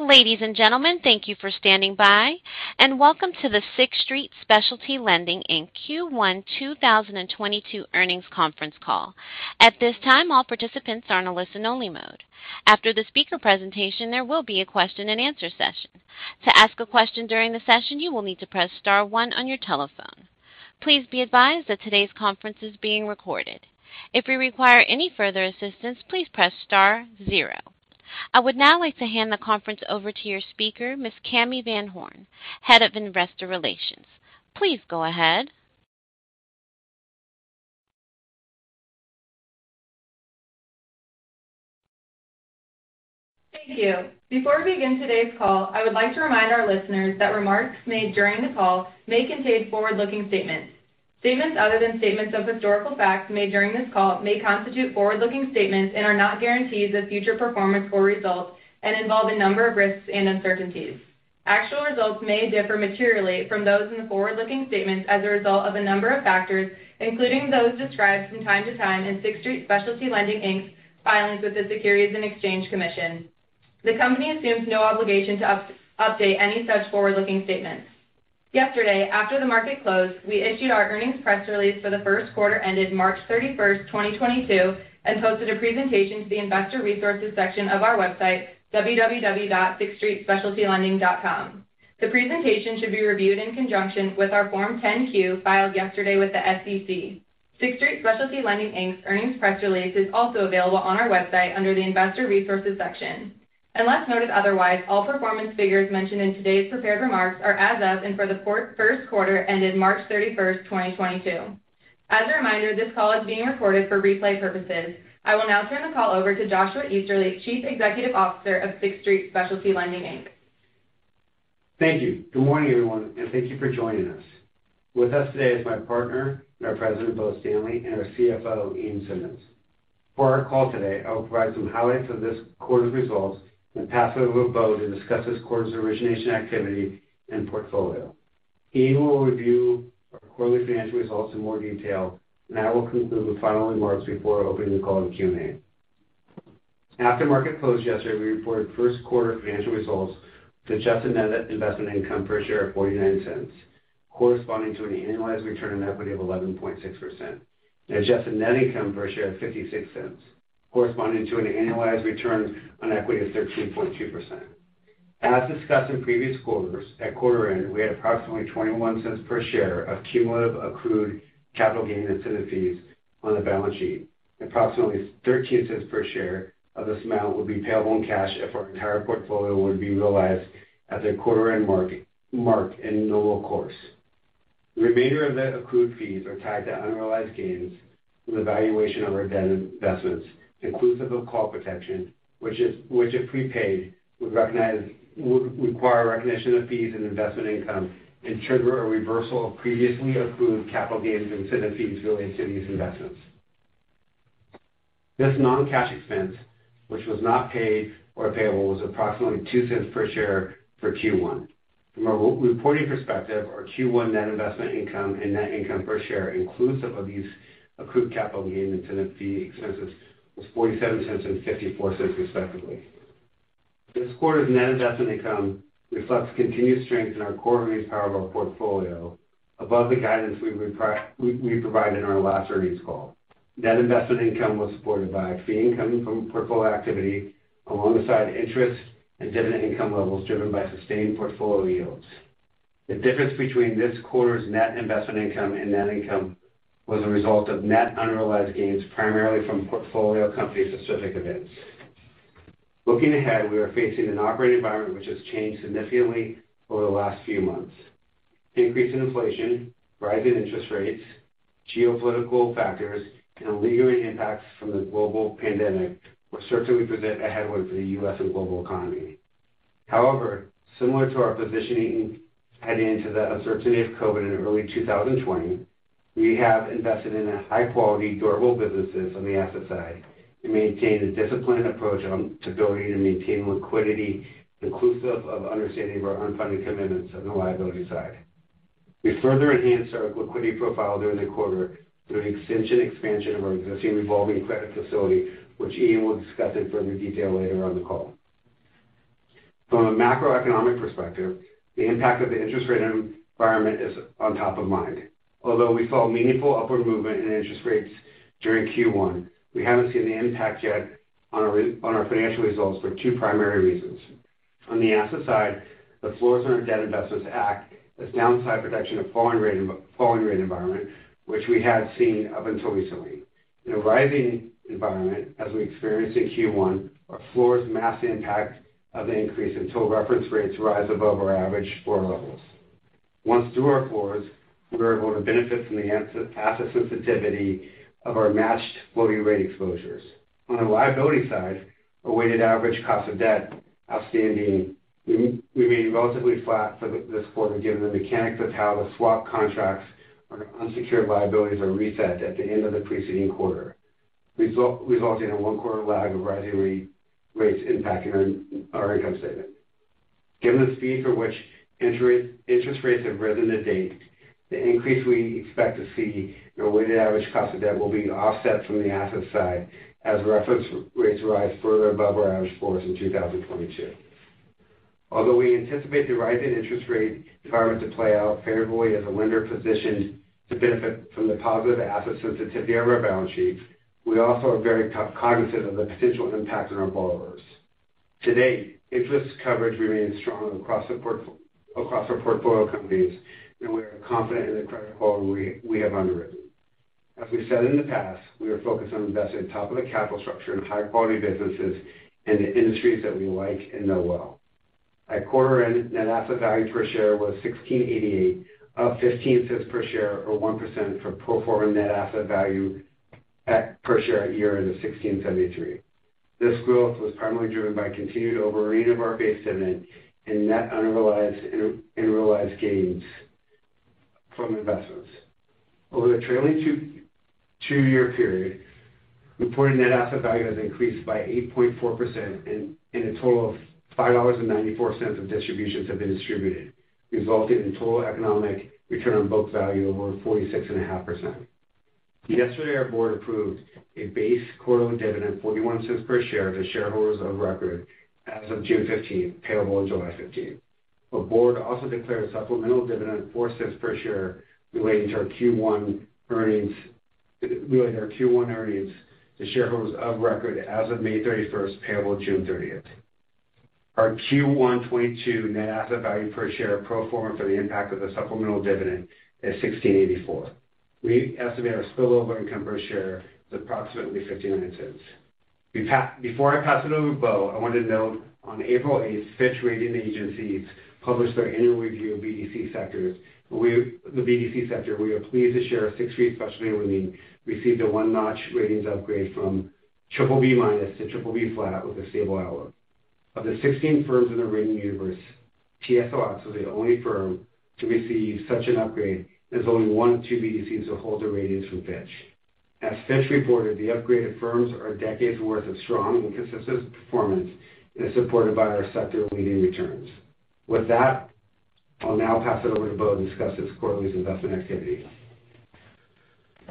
Ladies and gentlemen, thank you for standing by, and welcome to the Sixth Street Specialty Lending, Inc. Q1 2022 earnings conference call. At this time, all participants are in a listen-only mode. After the speaker presentation, there will be a question-and-answer session. To ask a question during the session, you will need to press star one on your telephone. Please be advised that today's conference is being recorded. If you require any further assistance, please press star zero. I would now like to hand the conference over to your speaker, Ms. Cami VanHorn, Head of Investor Relations. Please go ahead. Thank you. Before we begin today's call, I would like to remind our listeners that remarks made during the call may contain forward-looking statements. Statements other than statements of historical facts made during this call may constitute forward-looking statements and are not guarantees of future performance or results and involve a number of risks and uncertainties. Actual results may differ materially from those in the forward-looking statements as a result of a number of factors, including those described from time to time in Sixth Street Specialty Lending, Inc. filings with the Securities and Exchange Commission. The company assumes no obligation to update any such forward-looking statements. Yesterday, after the market closed, we issued our earnings press release for the Q1 ended March 31st, 2022, and posted a presentation to the Investor Resources section of our website, www.sixthstreetspecialtylending.com. The presentation should be reviewed in conjunction with our Form 10-Q filed yesterday with the SEC. Sixth Street Specialty Lending, Inc.'s earnings press release is also available on our website under the Investor Resources section. Unless noted otherwise, all performance figures mentioned in today's prepared remarks are as of and for the Q1 ended March 31st, 2022. As a reminder, this call is being recorded for replay purposes. I will now turn the call over to Joshua Easterly, Chief Executive Officer of Sixth Street Specialty Lending, Inc. Thank you. Good morning, everyone, and thank you for joining us. With us today is my partner and our President, Bo Stanley, and our CFO, Ian Simmonds. For our call today, I will provide some highlights of this quarter's results, then pass it over to Bo to discuss this quarter's origination activity and portfolio. Ian will review our quarterly financial results in more detail, and I will conclude with final remarks before opening the call to Q&A. After the market closed yesterday, we reported Q1 financial results to adjusted net investment income per share of $0.49, corresponding to an annualized return on equity of 11.6%, and adjusted net income per share of $0.56, corresponding to an annualized return on equity of 13.2%. As discussed in previous quarters, at quarter end, we had approximately $0.21 per share of cumulative accrued capital gain and incentive fees on the balance sheet. Approximately $0.13 per share of this amount would be payable in cash if our entire portfolio would be realized at the quarter end mark in normal course. The remainder of the accrued fees are tied to unrealized gains with valuation of our debt investments, inclusive of call protection, which if prepaid, would require recognition of fees and investment income and trigger a reversal of previously accrued capital gains and incentive fees related to these investments. This non-cash expense, which was not paid or payable, was approximately $0.02 per share for Q1. From a reporting perspective, our Q1 net investment income and net income per share inclusive of these accrued capital gain and tenant fee expenses was $0.47 and $0.54 respectively. This quarter's net investment income reflects continued strength in our core lease portfolio above the guidance we provided in our last earnings call. Net investment income was supported by fee income from portfolio activity alongside interest and dividend income levels driven by sustained portfolio yields. The difference between this quarter's net investment income and net income was a result of net unrealized gains primarily from portfolio company-specific events. Looking ahead, we are facing an operating environment which has changed significantly over the last few months. The increase in inflation, rise in interest rates, geopolitical factors, and lingering impacts from the global pandemic will certainly present a headwind for the U.S. and global economy. However, similar to our positioning heading into the uncertainty of COVID in early 2020, we have invested in high-quality durable businesses on the asset side and maintained a disciplined approach on to building and maintaining liquidity inclusive of understanding of our unfunded commitments on the liability side. We further enhanced our liquidity profile during the quarter through an extension expansion of our existing revolving credit facility, which Ian will discuss in further detail later on the call. From a macroeconomic perspective, the impact of the interest rate environment is top of mind. Although we saw meaningful upward movement in interest rates during Q1, we haven't seen the impact yet on our financial results for two primary reasons. On the asset side, the floors on our debt investments act as downside protection in a falling rate environment, which we had seen up until recently. In a rising environment, as we experienced in Q1, our floors mask the impact of the increase until reference rates rise above our average floor levels. Once through our floors, we are able to benefit from the asset sensitivity of our matched floating rate exposures. On the liability side, our weighted average cost of debt outstanding remain relatively flat for this quarter given the mechanics of how the swap contracts on our unsecured liabilities are reset at the end of the preceding quarter, resulting in a one-quarter lag of rising rates impacting our income statement. Given the speed for which interest rates have risen to date, the increase we expect to see in our weighted average cost of debt will be offset from the asset side as reference rates rise further above our average floors in 2022. Although we anticipate the rise in interest rate environment to play out favorably as a lender positioned to benefit from the positive asset sensitivity on our balance sheets, we also are very cognizant of the potential impact on our borrowers. To date, interest coverage remains strong across our portfolio companies, and we are confident in the credit quality we have underwritten. As we said in the past, we are focused on investing top of the capital structure in high quality businesses and the industries that we like and know well. At quarter end, net asset value per share was $16.88, up $0.15 per share or 1% from pro forma net asset value per share at year-end of $16.73. This growth was primarily driven by continued over-earning of our base dividend and net unrealized and realized gains from investments. Over the trailing two-year period, reported net asset value has increased by 8.4% and a total of $5.94 of distributions have been distributed, resulting in total economic return on book value of over 46.5%. Yesterday, our board approved a base quarterly dividend of $0.41 per share to shareholders of record as of June 15, payable on July 15. Our board also declared a supplemental dividend of $0.04 per share relating to our Q1 earnings to shareholders of record as of May 31st, payable June 30. Our Q1 2022 net asset value per share pro forma for the impact of the supplemental dividend is 16.84. We estimate our spillover income per share is approximately $0.15. Before I pass it over to Bo, I want to note on April 8th, Fitch Ratings published their annual review of BDC sectors. The BDC sector, we are pleased to share Sixth Street Specialty Lending received a one-notch ratings upgrade from BBB- to BBB with a stable outlook. Of the 16 firms in the rating universe, TSLX was the only firm to receive such an upgrade, as only one of two BDCs to hold their ratings from Fitch. As Fitch reported, the upgraded firms are a decade's worth of strong and consistent performance and is supported by our sector-leading returns. With that, I'll now pass it over to Bo to discuss this quarter's investment activity.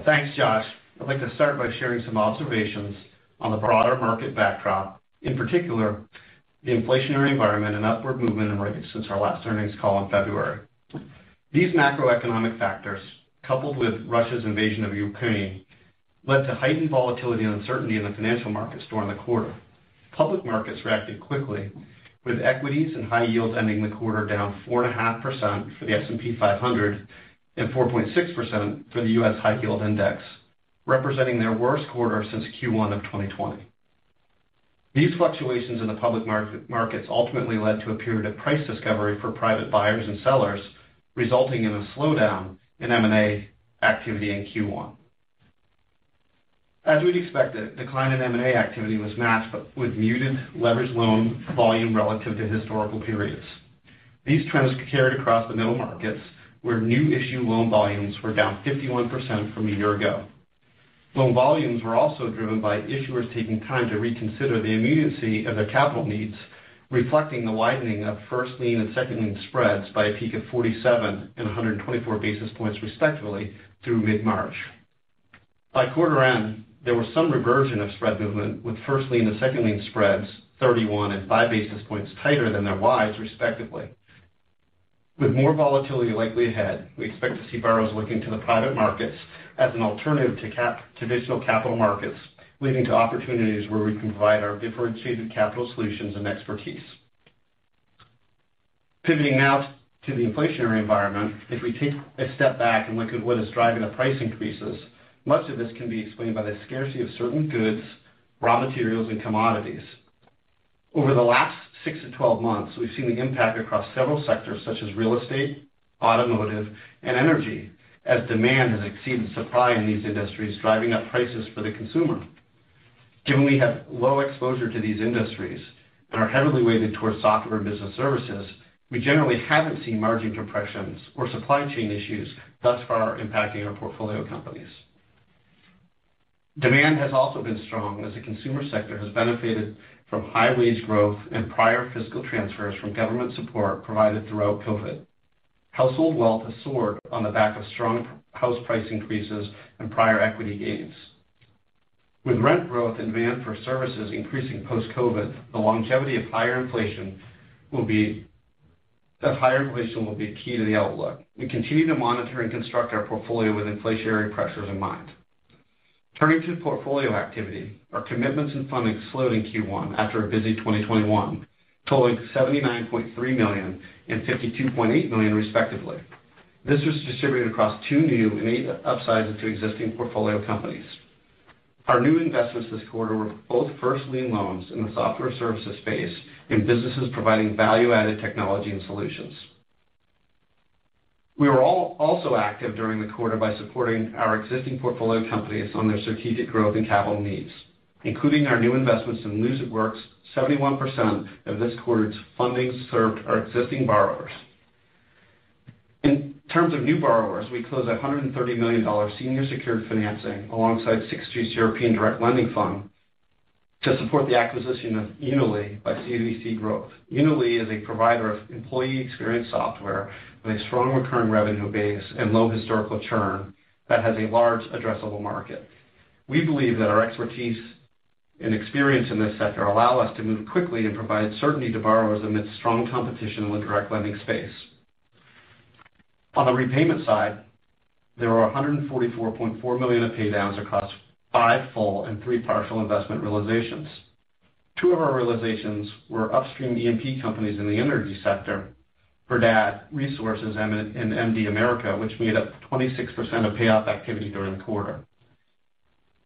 Thanks, Josh. I'd like to start by sharing some observations on the broader market backdrop, in particular, the inflationary environment and upward movement in rates since our last earnings call in February. These macroeconomic factors, coupled with Russia's invasion of Ukraine, led to heightened volatility and uncertainty in the financial markets during the quarter. Public markets reacted quickly, with equities and high yields ending the quarter down 4.5% for the S&P 500 and 4.6% for the US High Yield Index, representing their worst quarter since Q1 of 2020. These fluctuations in the public markets ultimately led to a period of price discovery for private buyers and sellers, resulting in a slowdown in M&A activity in Q1. As we'd expected, decline in M&A activity was matched with muted leverage loan volume relative to historical periods. These trends carried across the middle markets, where new issue loan volumes were down 51% from a year ago. Loan volumes were also driven by issuers taking time to reconsider the immediacy of their capital needs, reflecting the widening of first lien and second lien spreads by a peak of 47 and 124 basis points respectively through mid-March. By quarter end, there was some reversion of spread movement, with first lien and second lien spreads 31 and 5 basis points tighter than their wides respectively. With more volatility likely ahead, we expect to see borrowers looking to the private markets as an alternative to traditional capital markets, leading to opportunities where we can provide our differentiated capital solutions and expertise. Pivoting now to the inflationary environment, if we take a step back and look at what is driving the price increases, much of this can be explained by the scarcity of certain goods, raw materials, and commodities. Over the last six to 12 months, we've seen the impact across several sectors such as real estate, automotive, and energy, as demand has exceeded supply in these industries, driving up prices for the consumer. Given we have low exposure to these industries and are heavily weighted towards software business services, we generally haven't seen margin depressions or supply chain issues thus far impacting our portfolio companies. Demand has also been strong as the consumer sector has benefited from high wage growth and prior fiscal transfers from government support provided throughout COVID. Household wealth has soared on the back of strong house price increases and prior equity gains. With rent growth and demand for services increasing post-COVID, the longevity of higher inflation will be key to the outlook. We continue to monitor and construct our portfolio with inflationary pressures in mind. Turning to portfolio activity, our commitments and funding slowed in Q1 after a busy 2021, totaling $79.3 million and $52.8 million respectively. This was distributed across two new and eight upsizes to existing portfolio companies. Our new investments this quarter were both first lien loans in the software services space in businesses providing value-added technology and solutions. We were also active during the quarter by supporting our existing portfolio companies on their strategic growth and capital needs, including our new investments in Musicworks. 71% of this quarter's fundings served our existing borrowers. In terms of new borrowers, we closed a $130 million senior secured financing alongside Sixth Street's European direct lending fund to support the acquisition of Unily by CVC Growth. Unily is a provider of employee experience software with a strong recurring revenue base and low historical churn that has a large addressable market. We believe that our expertise and experience in this sector allow us to move quickly and provide certainty to borrowers amidst strong competition with direct lending space. On the repayment side, there were a $144.4 million of pay downs across five full and three partial investment realizations. Two of our realizations were upstream E&P companies in the energy sector, Verdad Resources and MD America, which made up 26% of payoff activity during the quarter.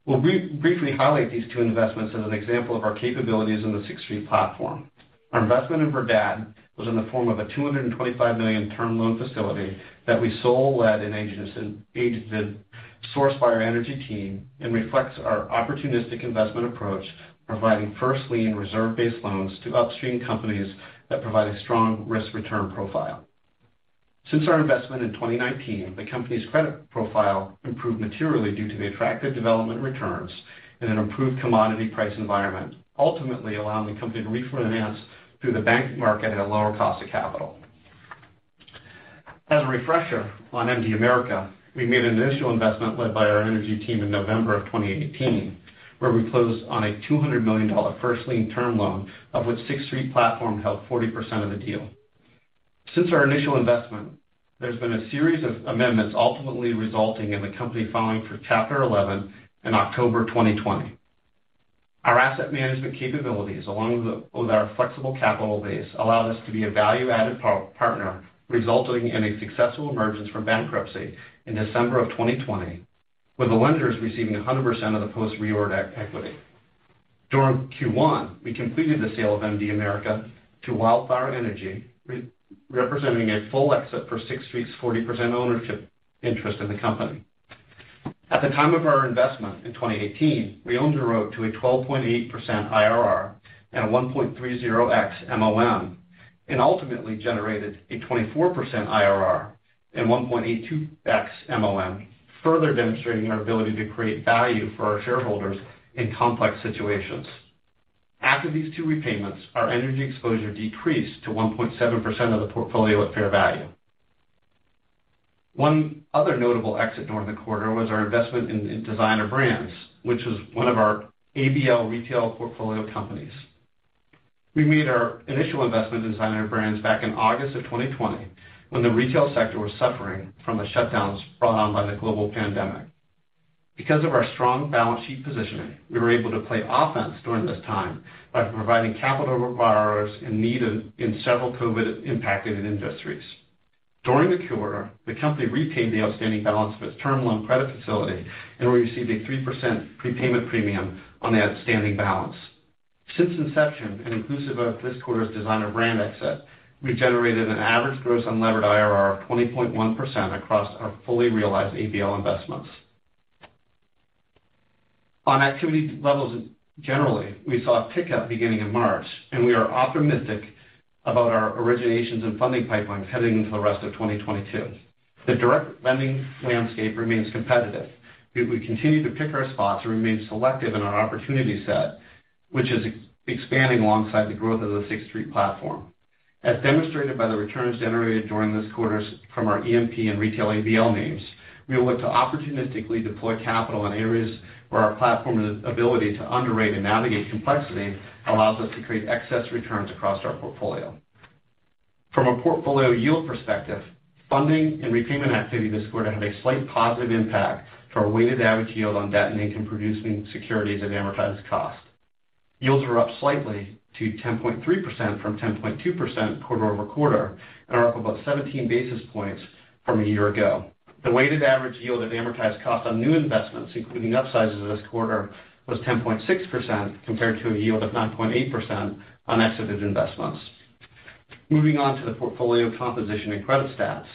We'll briefly highlight these two investments as an example of our capabilities in the Sixth Street platform. Our investment in Verdad was in the form of a $225 million term loan facility that we solely led and agented, sourced by our energy team, and reflects our opportunistic investment approach, providing first lien reserve-based loans to upstream companies that provide a strong risk-return profile. Since our investment in 2019, the company's credit profile improved materially due to the attractive development returns and an improved commodity price environment, ultimately allowing the company to refinance through the bank market at a lower cost of capital. As a refresher on MD America, we made an initial investment led by our energy team in November 2018, where we closed on a $200 million first lien term loan of which Sixth Street platform held 40% of the deal. Since our initial investment, there's been a series of amendments ultimately resulting in the company filing for Chapter 11 in October 2020. Our asset management capabilities, along with our flexible capital base, allowed us to be a value-added partner, resulting in a successful emergence from bankruptcy in December 2020, with the lenders receiving 100% of the post-reorg equity. During Q1, we completed the sale of MD America to WildFire Energy, representing a full exit for Sixth Street's 40% ownership interest in the company. At the time of our investment in 2018, we owned the loan to a 12.8% IRR and a 1.30x MOIC, and ultimately generated a 24% IRR and 1.82x MOIC, further demonstrating our ability to create value for our shareholders in complex situations. After these two repayments, our energy exposure decreased to 1.7% of the portfolio at fair value. One other notable exit during the quarter was our investment in Designer Brands, which was one of our ABL retail portfolio companies. We made our initial investment in Designer Brands back in August of 2020, when the retail sector was suffering from the shutdowns brought on by the global pandemic. Because of our strong balance sheet positioning, we were able to play offense during this time by providing capital to borrowers in need in several COVID-impacted industries. During the quarter, the company repaid the outstanding balance of its term loan credit facility, and we received a 3% prepayment premium on the outstanding balance. Since inception, and inclusive of this quarter's Designer Brands exit, we've generated an average gross unlevered IRR of 20.1% across our fully realized ABL investments. On activity levels, generally, we saw a pickup beginning in March, and we are optimistic about our originations and funding pipelines heading into the rest of 2022. The direct lending landscape remains competitive. We continue to pick our spots and remain selective in our opportunity set, which is expanding alongside the growth of the Sixth Street platform. As demonstrated by the returns generated during this quarter from our E&P and retail ABL names, we look to opportunistically deploy capital in areas where our platform ability to underwrite and navigate complexity allows us to create excess returns across our portfolio. From a portfolio yield perspective, funding and repayment activity this quarter had a slight positive impact to our weighted average yield on debt and income-producing securities at amortized cost. Yields are up slightly to 10.3% from 10.2% quarter-over-quarter, and are up about 17 basis points from a year ago. The weighted average yield at amortized cost on new investments, including upsizes of this quarter, was 10.6% compared to a yield of 9.8% on exited investments. Moving on to the portfolio composition and credit stats.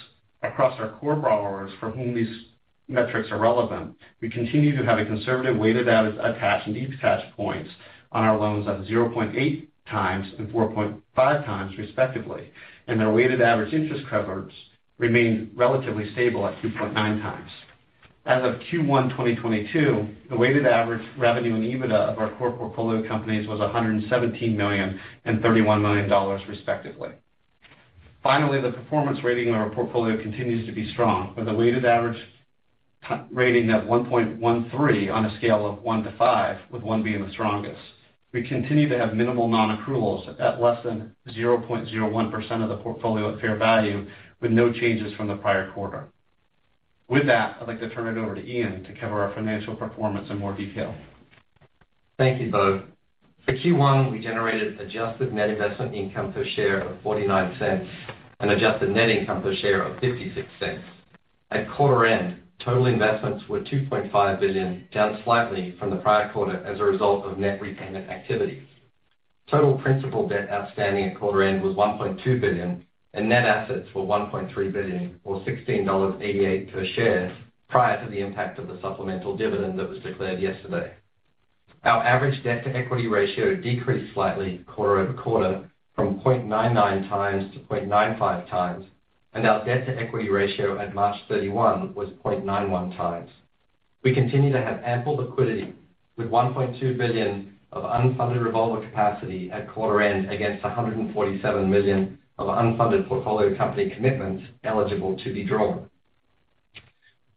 Across our core borrowers for whom these metrics are relevant, we continue to have a conservative weighted average attach and detach points on our loans of 0.8 times and 4.5 times, respectively. Their weighted average interest coverage remained relatively stable at 2.9 times. As of Q1 2022, the weighted average revenue and EBITDA of our core portfolio companies was $117 million and $31 million, respectively. Finally, the performance rating on our portfolio continues to be strong, with a weighted average credit rating of 1.13 on a scale of one to five, with one being the strongest. We continue to have minimal non-accruals at less than 0.01% of the portfolio at fair value, with no changes from the prior quarter. With that, I'd like to turn it over to Ian to cover our financial performance in more detail. Thank you, Bo. For Q1, we generated adjusted net investment income per share of $0.49 and adjusted net income per share of $0.56. At quarter end, total investments were $2.5 billion, down slightly from the prior quarter as a result of net repayment activities. Total principal debt outstanding at quarter end was $1.2 billion, and net assets were $1.3 billion or $16.88 per share prior to the impact of the supplemental dividend that was declared yesterday. Our average debt-to-equity ratio decreased slightly quarter-over-quarter from 0.99 times to 0.95 times, and our debt-to-equity ratio at March 31 was 0.91 times. We continue to have ample liquidity with $1.2 billion of unfunded revolver capacity at quarter end against $147 million of unfunded portfolio company commitments eligible to be drawn.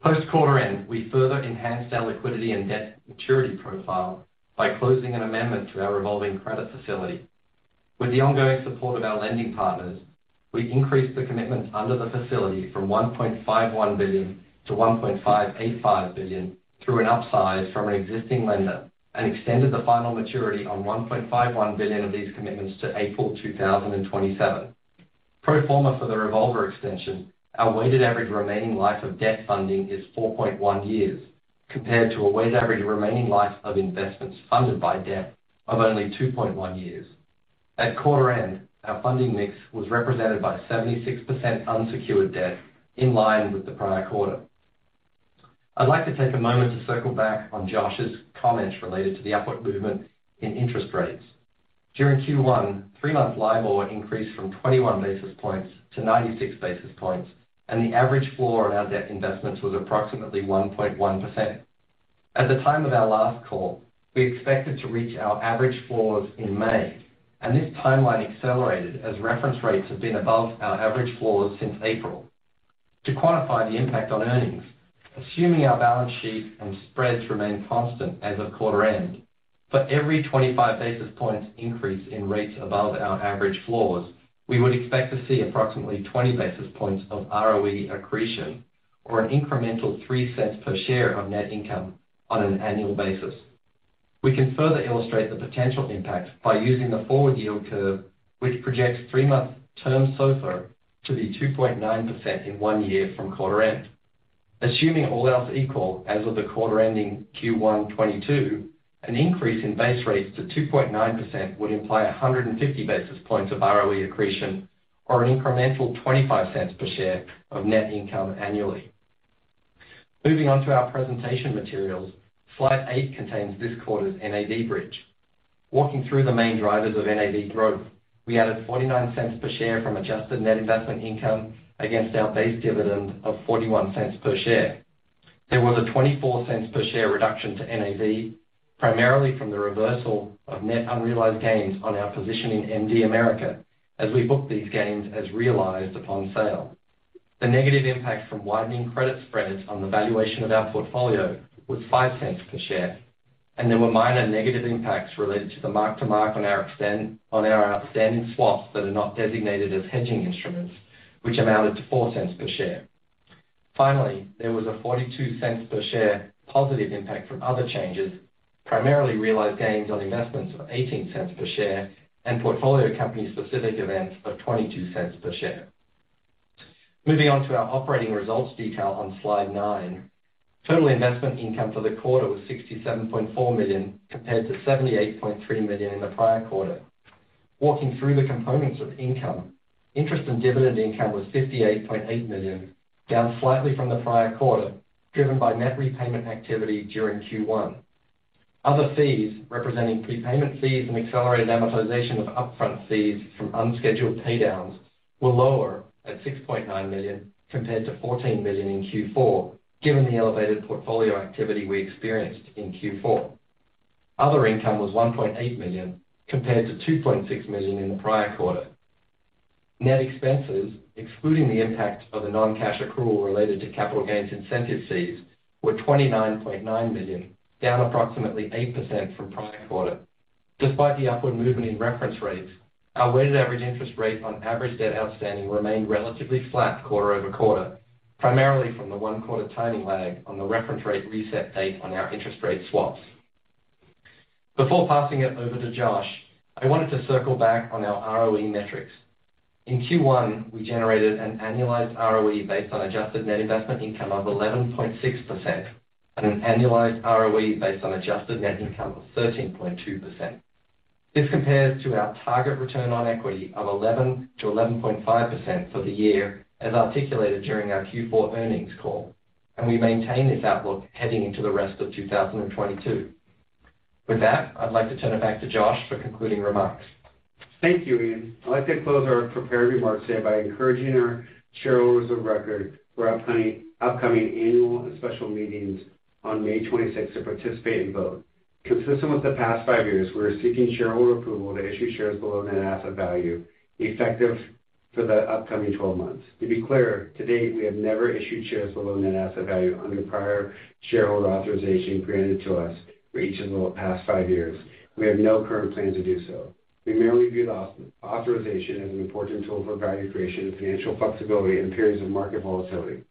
Post quarter end, we further enhanced our liquidity and debt maturity profile by closing an amendment to our revolving credit facility. With the ongoing support of our lending partners, we increased the commitments under the facility from $1.51 billion to $1.585 billion through an upsize from an existing lender, and extended the final maturity on $1.51 billion of these commitments to April 2027. Pro forma for the revolver extension, our weighted average remaining life of debt funding is 4.1 years, compared to a weighted average remaining life of investments funded by debt of only 2.1 years. At quarter end, our funding mix was represented by 76% unsecured debt in line with the prior quarter. I'd like to take a moment to circle back on Josh's comments related to the upward movement in interest rates. During Q1, 3-month LIBOR increased from 21 basis points to 96 basis points, and the average floor on our debt investments was approximately 1.1%. At the time of our last call, we expected to reach our average floors in May, and this timeline accelerated as reference rates have been above our average floors since April. To quantify the impact on earnings, assuming our balance sheet and spreads remain constant as of quarter end, for every 25 basis points increase in rates above our average floors, we would expect to see approximately 20 basis points of ROE accretion or an incremental $0.03 Per share of net income on an annual basis. We can further illustrate the potential impact by using the forward yield curve, which projects 3-month term SOFR to be 2.9% in one year from quarter end. Assuming all else equal as of the quarter ending Q1 2022, an increase in base rates to 2.9% would imply 150 basis points of ROE accretion or an incremental $0.25 per share of net income annually. Moving on to our presentation materials. Slide eight contains this quarter's NAV bridge. Walking through the main drivers of NAV growth, we added $0.49 per share from adjusted net investment income against our base dividend of $0.41 per share. There was a $0.24 per share reduction to NAV, primarily from the reversal of net unrealized gains on our position in MD America, as we booked these gains as realized upon sale. The negative impact from widening credit spreads on the valuation of our portfolio was $0.05 per share, and there were minor negative impacts related to the mark-to-market on our outstanding swaps that are not designated as hedging instruments, which amounted to $0.04 per share. Finally, there was a $0.42 per share positive impact from other changes, primarily realized gains on investments of $0.18 per share and portfolio company-specific events of $0.22 per share. Moving on to our operating results detail on slide nine. Total investment income for the quarter was $67.4 million, compared to $78.3 million in the prior quarter. Walking through the components of income, interest and dividend income was $58.8 million, down slightly from the prior quarter, driven by net repayment activity during Q1. Other fees representing prepayment fees and accelerated amortization of upfront fees from unscheduled pay downs were lower at $6.9 million compared to $14 million in Q4, given the elevated portfolio activity we experienced in Q4. Other income was $1.8 million compared to $2.6 million in the prior quarter. Net expenses, excluding the impact of the non-cash accrual related to capital gains incentive fees, were $29.9 million, down approximately 8% from prior quarter. Despite the upward movement in reference rates, our weighted average interest rate on average debt outstanding remained relatively flat quarter-over-quarter, primarily from the one quarter timing lag on the reference rate reset date on our interest rate swaps. Before passing it over to Josh, I wanted to circle back on our ROE metrics. In Q1, we generated an annualized ROE based on adjusted net investment income of 11.6% and an annualized ROE based on adjusted net income of 13.2%. This compares to our target return on equity of 11%-11.5% for the year as articulated during our Q4 earnings call, and we maintain this outlook heading into the rest of 2022. With that, I'd like to turn it back to Josh for concluding remarks. Thank you, Ian. I'd like to close our prepared remarks here by encouraging our shareholders of record for upcoming annual and special meetings on May 26th to participate and vote. Consistent with the past five years, we are seeking shareholder approval to issue shares below net asset value effective for the upcoming 12 months. To be clear, to date, we have never issued shares below net asset value under prior shareholder authorization granted to us for each of the past five years. We have no current plans to do so. We merely view the authorization as an important tool for value creation and financial flexibility in periods of market volatility.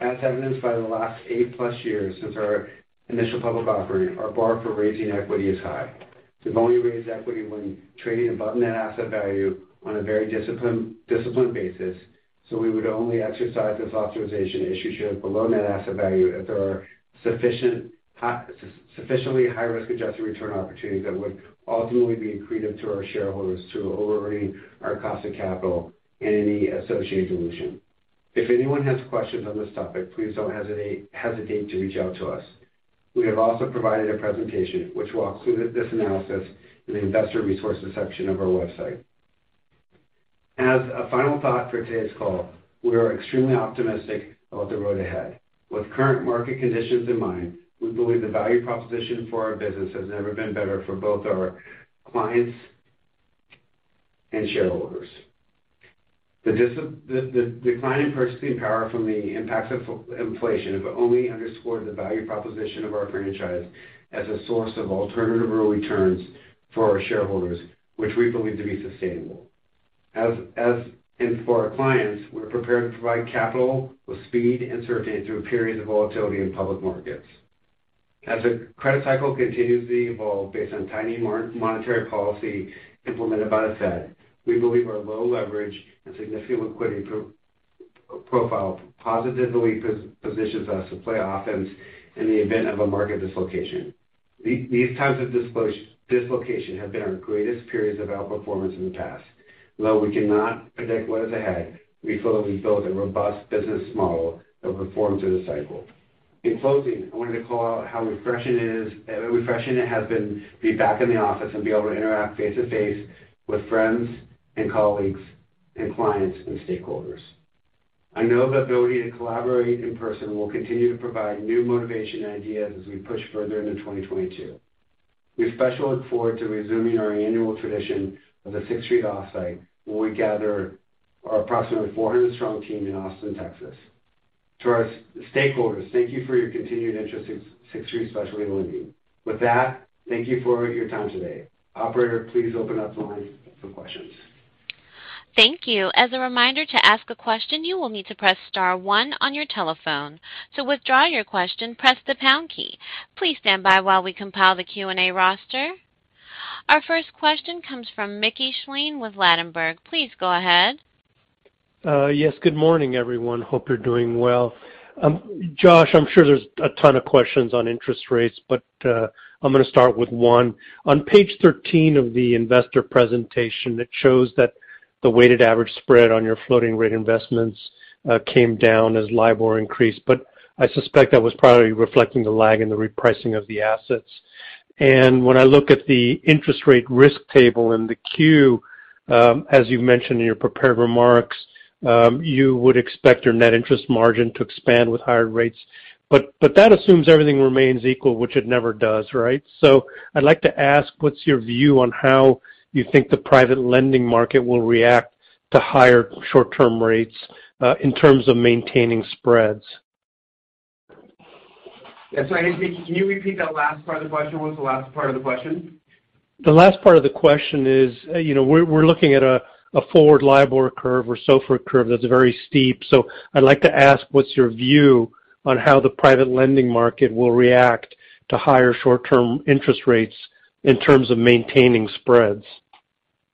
As evidenced by the last 8+ years since our initial public offering, our bar for raising equity is high. We've only raised equity when trading above net asset value on a very disciplined basis, so we would only exercise this authorization to issue shares below net asset value if there are sufficiently high risk-adjusted return opportunities that would ultimately be accretive to our shareholders through lowering our cost of capital and any associated dilution. If anyone has questions on this topic, please don't hesitate to reach out to us. We have also provided a presentation which will include this analysis in the investor resources section of our website. As a final thought for today's call, we are extremely optimistic about the road ahead. With current market conditions in mind, we believe the value proposition for our business has never been better for both our clients and shareholders. The declining purchasing power from the impacts of inflation have only underscored the value proposition of our franchise as a source of alternative returns for our shareholders, which we believe to be sustainable. For our clients, we're prepared to provide capital with speed and certainty through a period of volatility in public markets. As the credit cycle continues to evolve based on tightening monetary policy implemented by the Fed, we believe our low leverage and significant liquidity profile positively positions us to play offense in the event of a market dislocation. These types of dislocation have been our greatest periods of outperformance in the past. Though we cannot predict what is ahead, we feel that we've built a robust business model that will perform through the cycle. In closing, I wanted to call out how refreshing it has been to be back in the office and be able to interact face-to-face with friends and colleagues and clients and stakeholders. I know the ability to collaborate in person will continue to provide new motivation and ideas as we push further into 2022. We especially look forward to resuming our annual tradition of the Sixth Street offsite, where we gather our approximately 400 strong team in Austin, Texas. To our stakeholders, thank you for your continued interest in Sixth Street Specialty Lending. With that, thank you for your time today. Operator, please open up the line for questions. Thank you. As a reminder, to ask a question, you will need to press star one on your telephone. To withdraw your question, press the pound key. Please stand by while we compile the Q&A roster. Our first question comes from Mickey Schleien with Ladenburg Thalmann. Please go ahead. Yes. Good morning, everyone. Hope you're doing well. Josh, I'm sure there's a ton of questions on interest rates, but I'm gonna start with one. On page 13 of the investor presentation, it shows that the weighted average spread on your floating rate investments came down as LIBOR increased. I suspect that was probably reflecting the lag in the repricing of the assets. When I look at the interest rate risk table in the Q, as you've mentioned in your prepared remarks, you would expect your net interest margin to expand with higher rates. That assumes everything remains equal, which it never does, right? I'd like to ask, what's your view on how you think the private lending market will react to higher short-term rates in terms of maintaining spreads? Yeah. Sorry, Mickey, can you repeat that last part of the question? What was the last part of the question? The last part of the question is, you know, we're looking at a forward LIBOR curve or SOFR curve that's very steep. I'd like to ask, what's your view on how the private lending market will react to higher short-term interest rates in terms of maintaining spreads?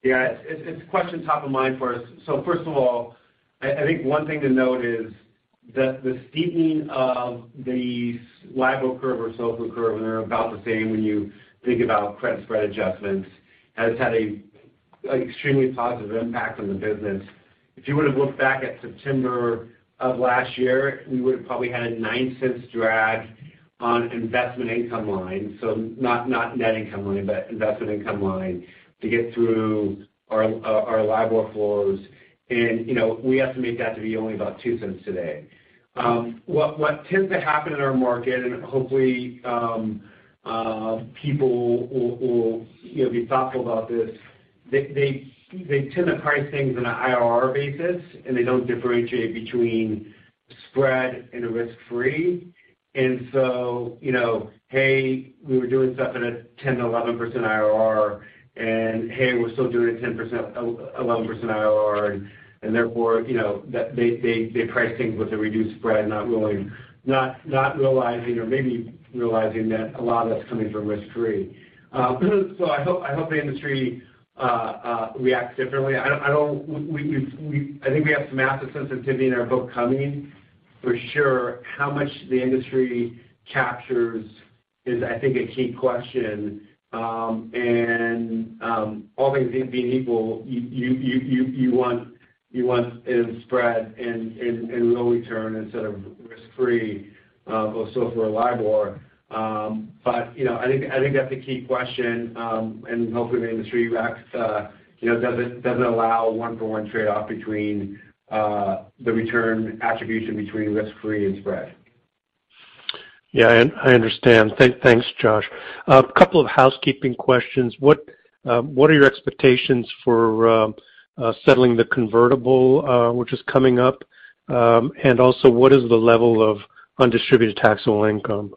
It's a question top of mind for us. First of all, I think one thing to note is that the steepening of the LIBOR curve or SOFR curve, and they're about the same when you think about credit spread adjustments, has had a extremely positive impact on the business. If you would have looked back at September of last year, we would have probably had a $0.09 drag on investment income line, so not net income line, but investment income line, to get through our LIBOR flows. You know, we estimate that to be only about $0.02 today. What tends to happen in our market, and hopefully, people will, you know, be thoughtful about this, they tend to price things on an IRR basis, and they don't differentiate between spread and a risk-free. You know, hey, we were doing stuff at a 10%-11% IRR, and hey, we're still doing a 10%-11% IRR, and therefore, you know, that they price things with a reduced spread, not really realizing or maybe realizing that a lot of that's coming from risk-free. I hope the industry reacts differently. I think we have some asset sensitivity in our book coming, for sure. How much the industry captures is, I think, a key question. All things being equal, you want in spread and in low return instead of risk-free, or SOFR or LIBOR. You know, I think that's a key question, and hopefully the industry reacts, you know, doesn't allow one-for-one trade-off between the return attribution between risk-free and spread. Yeah, I understand. Thanks, Josh. A couple of housekeeping questions. What are your expectations for settling the convertible, which is coming up? Also, what is the level of undistributed taxable income?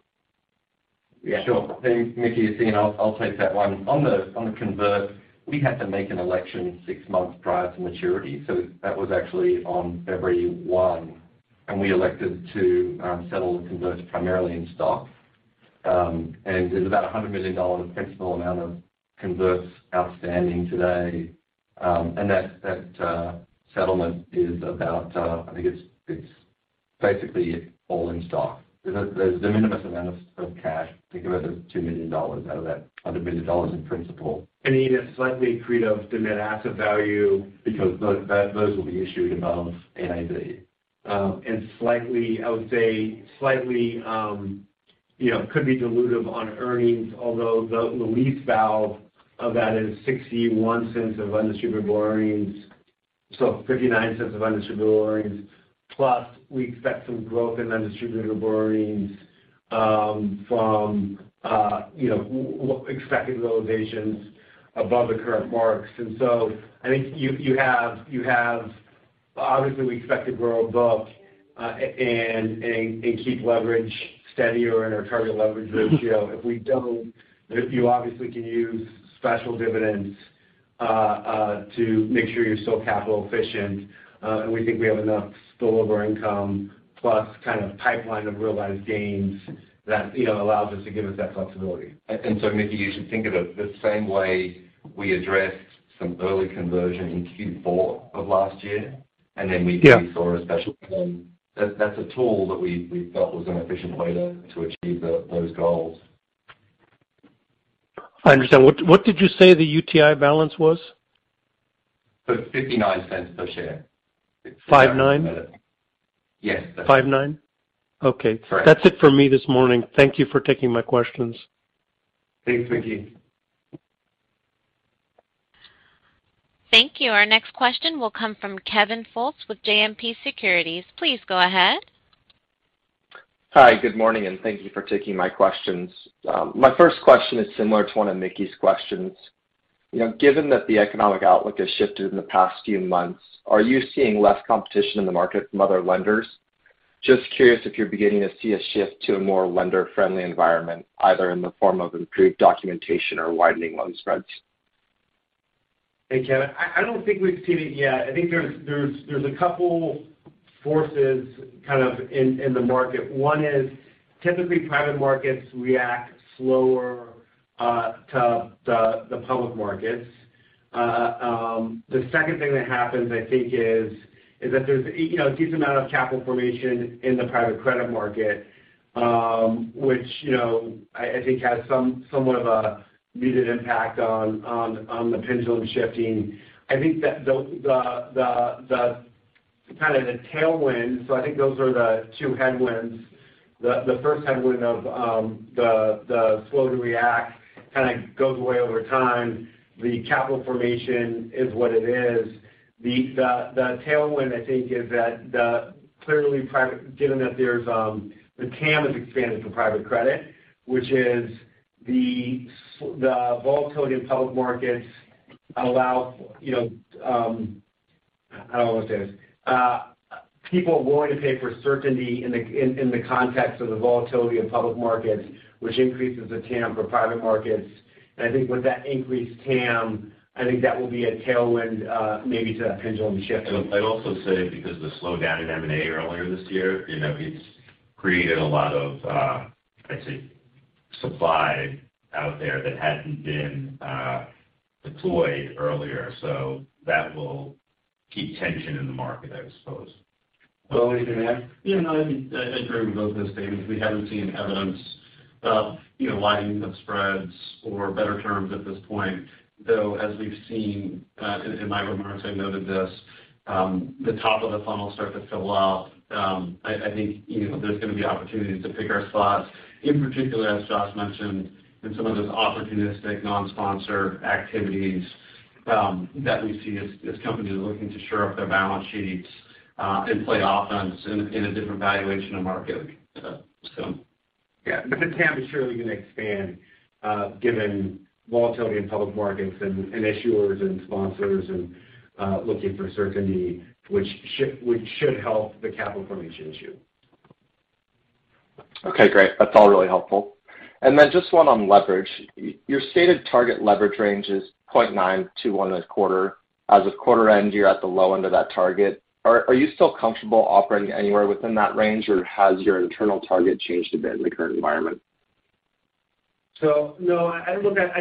Yeah, sure. Thanks, Mickey Schleien, I'll take that one. On the convert, we had to make an election six months prior to maturity, so that was actually on February 1, and we elected to settle the convert primarily in stock. There's about $100 million principal amount of converts outstanding today. That settlement is about, basically, all in stock. There's the minimum amount of cash, I think about $2 million out of that $100 million in principal. Even slightly accretive to net asset value. Because those will be issued above NAV. I would say slightly, you know, could be dilutive on earnings, although the least value of that is $0.61 of undistributed earnings. So $0.59 of undistributed earnings, plus we expect some growth in undistributed earnings from expected realizations above the current marks. I think you have obviously, we expect to grow books and keep leverage steady or in our target leverage ratio. If we don't, you obviously can use special dividends to make sure you're still capital efficient. We think we have enough spillover income plus kind of pipeline of realized gains that, you know, allows us to give us that flexibility. Mickey, you should think of it the same way we addressed some early conversion in Q4 of last year. Yeah. We saw a special dividend. That's a tool that we felt was an efficient way to achieve those goals. I understand. What did you say the UTI balance was? $0.59 per share. 59? Yes. 59? Okay. Correct. That's it for me this morning. Thank you for taking my questions. Thanks, Mickey. Thank you. Our next question will come from Kevin Fultz with JMP Securities. Please go ahead. Hi, good morning, and thank you for taking my questions. My first question is similar to one of Mickey's questions. You know, given that the economic outlook has shifted in the past few months, are you seeing less competition in the market from other lenders? Just curious if you're beginning to see a shift to a more lender-friendly environment, either in the form of improved documentation or widening loan spreads. Hey, Kevin. I don't think we've seen it yet. I think there's a couple forces kind of in the market. One is typically private markets react slower to the public markets. The second thing that happens, I think, is that there's, you know, a decent amount of capital formation in the private credit market, which, you know, I think has somewhat of a muted impact on the pendulum shifting. I think that the kind of the tailwind, so I think those are the two headwinds. The first headwind of the slow to react kind of goes away over time. The capital formation is what it is. The tailwind, I think, is that given that the TAM has expanded for private credit, the volatility in public markets allows, you know, people are willing to pay for certainty in the context of the volatility in public markets, which increases the TAM for private markets. I think with that increased TAM, I think that will be a tailwind, maybe to that pendulum shift. I'd also say because of the slowdown in M&A earlier this year, you know, it's created a lot of, I'd say supply out there that hadn't been, deployed earlier. That will keep tension in the market, I suppose. Bo, anything to add? You know, I agree with both those statements. We haven't seen evidence of, you know, widening of spreads or better terms at this point, though, as we've seen, in my remarks, I noted this, the top of the funnel start to fill up. I think, you know, there's gonna be opportunities to pick our spots. In particular, as Josh mentioned, in some of those opportunistic non-sponsor activities, that we see as companies are looking to shore up their balance sheets, and play offense in a different valuation of market. Yeah. The TAM is surely gonna expand, given volatility in public markets and issuers and sponsors and looking for certainty which should help the capital formation issue. Okay, great. That's all really helpful. Just one on leverage. Your stated target leverage range is 0.921 this quarter. As of quarter end, you're at the low end of that target. Are you still comfortable operating anywhere within that range, or has your internal target changed a bit in the current environment? No, I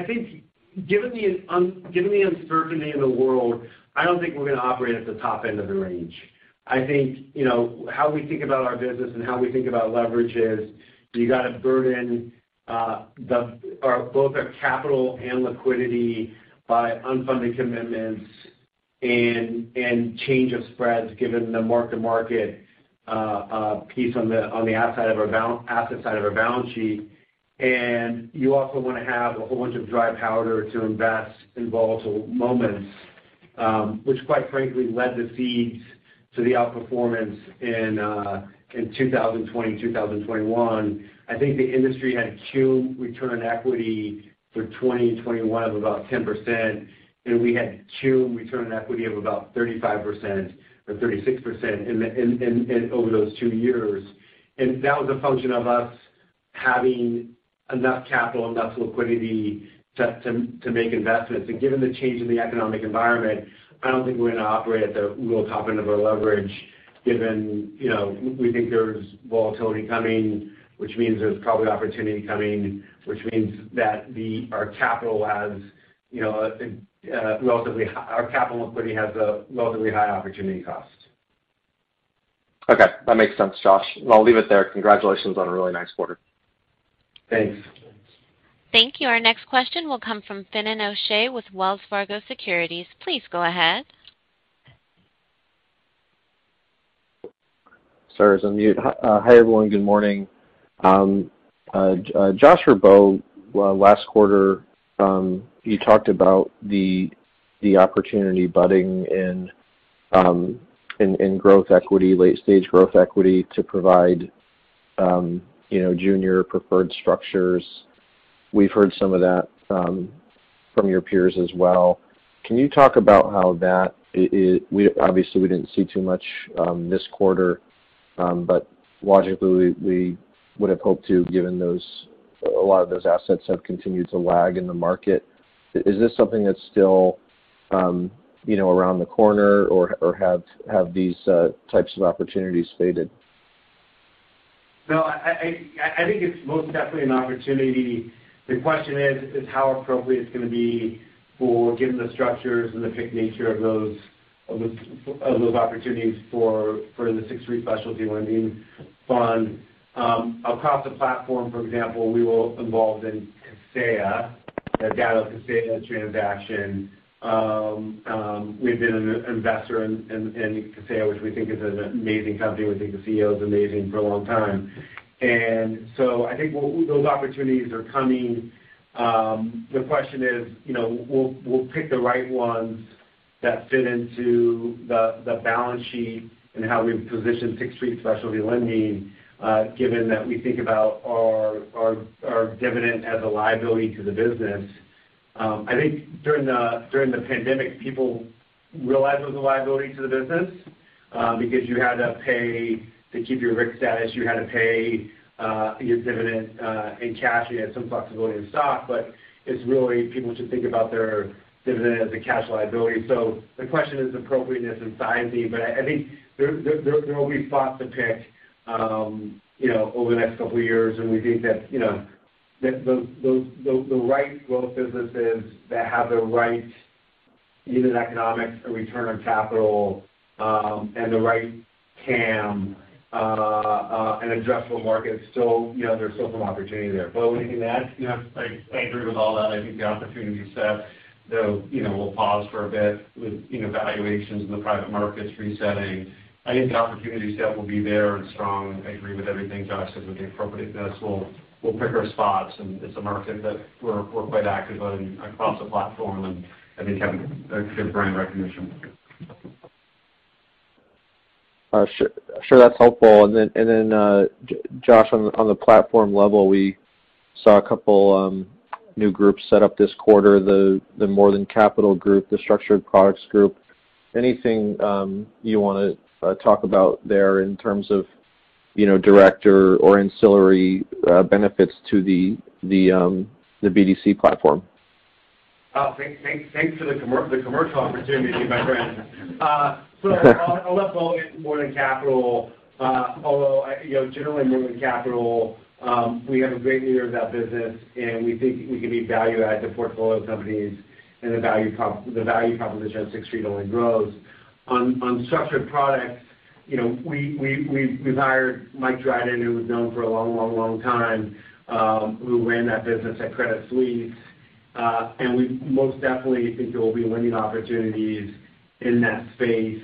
think given the uncertainty in the world, I don't think we're gonna operate at the top end of the range. I think, you know, how we think about our business and how we think about leverage is you gotta burden or both our capital and liquidity by unfunded commitments and change of spreads, given the mark-to-market piece on the outside of our asset side of our balance sheet. You also wanna have a whole bunch of dry powder to invest in volatile moments, which quite frankly laid the seeds for the outperformance in 2020, 2021. I think the industry had cum return on equity for 2020 and 2021 of about 10%, and we had cum return on equity of about 35% or 36% over those two years. That was a function of us having enough capital, enough liquidity to make investments. Given the change in the economic environment, I don't think we're gonna operate at the real top end of our leverage given, you know, we think there's volatility coming, which means there's probably opportunity coming, which means that our capital has, you know, relatively high opportunity cost. Our capital liquidity has a relatively high opportunity cost. Okay, that makes sense, Josh. I'll leave it there. Congratulations on a really nice quarter. Thanks. Thank you. Our next question will come from Finian O'Shea with Wells Fargo Securities. Please go ahead. Sorry, I was on mute. Hi, everyone. Good morning. Josh or Bo, last quarter you talked about the opportunity budding in growth equity, late stage growth equity to provide you know, junior preferred structures. We've heard some of that from your peers as well. Can you talk about how that obviously we didn't see too much this quarter, but logically, we would have hoped to, given those, a lot of those assets have continued to lag in the market. Is this something that's still you know, around the corner, or have these types of opportunities faded? No, I think it's most definitely an opportunity. The question is how appropriate it's gonna be, given the structures and the picky nature of those opportunities for the Sixth Street Specialty Lending fund. Across the platform, for example, we were involved in Kaseya, the Datto Kaseya transaction. We've been an investor in Kaseya, which we think is an amazing company. We think the CEO is amazing for a long time. I think those opportunities are coming. The question is, we'll pick the right ones that fit into the balance sheet and how we've positioned Sixth Street Specialty Lending, given that we think about our dividend as a liability to the business. I think during the pandemic, people realized it was a liability to the business, because you had to pay to keep your RIC status. You had to pay your dividend in cash. You had some flexibility in stock, but it's really people should think about their dividend as a cash liability. The question is appropriateness and timing. I think there will be spots to pick, you know, over the next couple of years. We think that, you know, those the right growth businesses that have the right unit economics and return on capital, and the right TAM, and addressable markets still, you know, there's still some opportunity there. Bo, anything to add? Yeah. I agree with all that. I think the opportunity set, though, you know, will pause for a bit with, you know, valuations in the private markets resetting. I think the opportunity set will be there and strong. I agree with everything Josh said with the appropriateness. We'll pick our spots, and it's a market that we're quite active on across the platform, and I think have a good brand recognition. Sure that's helpful. Josh, on the platform level, we saw a couple new groups set up this quarter, the More Than Capital Group, the Structured Products group. Anything you wanna talk about there in terms of, you know, direct or ancillary benefits to the BDC platform? Thanks for the commercial opportunity, my friend. I'll let Bo hit More Than Capital. Although, you know, generally, More Than Capital, we have a great leader of that business, and we think we can be value add to portfolio companies and the value proposition at Sixth Street only grows. On structured products, you know, we've hired Mike Dryden, who was known for a long time, who ran that business at Credit Suisse. We most definitely think there will be lending opportunities in that space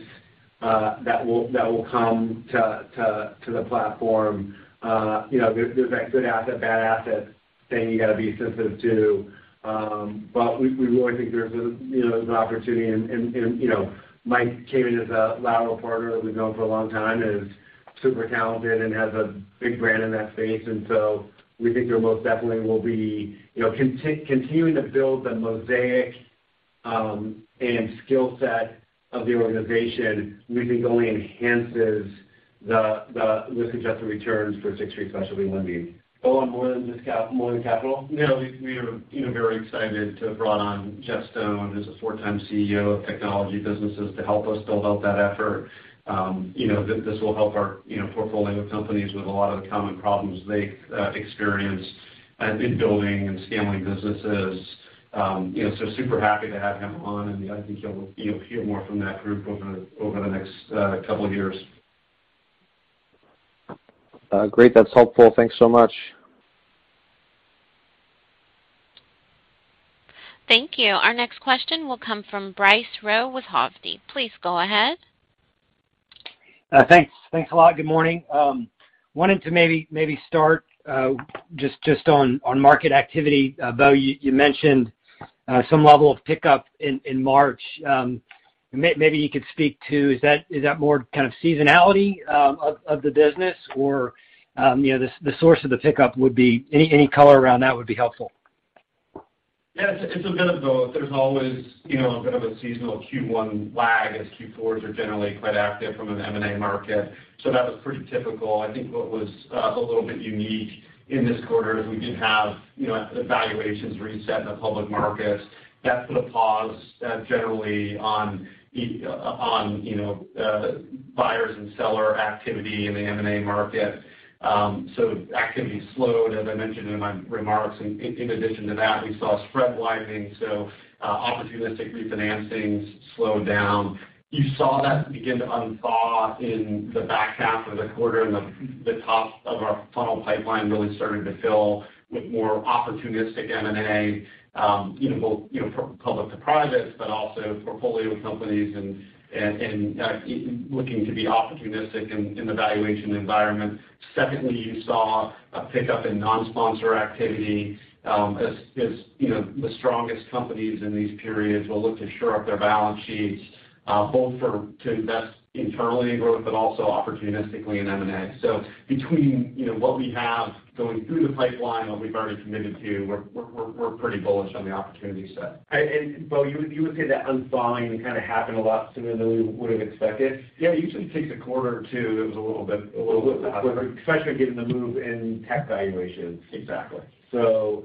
that will come to the platform. You know, there's that good asset, bad asset thing you gotta be sensitive to. We really think there's an opportunity. You know, Mike came in as a lateral partner that we've known for a long time, and is super talented and has a big brand in that space. We think there most definitely will be, you know, continuing to build the mosaic, and skill set of the organization, we think only enhances the risk-adjusted returns for Sixth Street Specialty Lending. Bo, on More Than Capital. Yeah. We are, you know, very excited to have brought on Jeff Stone, who's a four-time CEO of technology businesses to help us build out that effort. You know, this will help our, you know, portfolio companies with a lot of the common problems they experience in building and scaling businesses. You know, super happy to have him on, and I think you'll hear more from that group over the next couple years. Great. That's helpful. Thanks so much. Thank you. Our next question will come from Bryce Rowe with Hovde. Please go ahead. Thanks a lot. Good morning. Wanted to maybe start just on market activity. Bo, you mentioned some level of pickup in March. Maybe you could speak to is that more kind of seasonality of the business? Or, you know, the source of the pickup would be. Any color around that would be helpful. Yeah, it's a bit of both. There's always, you know, a bit of a seasonal Q1 lag as Q4s are generally quite active in an M&A market. That was pretty typical. I think what was a little bit unique in this quarter is we did have, you know, valuations reset in the public markets. That put a pause generally on, you know, buyers and sellers activity in the M&A market. Activity slowed, as I mentioned in my remarks. In addition to that, we saw spread widening, so opportunistic refinancings slowed down. You saw that begin to unthaw in the back half of the quarter, and the top of our funnel pipeline really starting to fill with more opportunistic M&A, you know, both, you know, public to private, but also portfolio companies and looking to be opportunistic in the valuation environment. Secondly, you saw a pickup in non-sponsor activity, as you know, the strongest companies in these periods will look to shore up their balance sheets, both to invest internally in growth, but also opportunistically in M&A. Between, you know, what we have going through the pipeline, what we've already committed to, we're pretty bullish on the opportunity set. Bo, you would say that unthawing kind of happened a lot sooner than we would've expected? Yeah. It usually takes a quarter or two. It was a little bit quicker. Especially given the move in tech valuations. Exactly. I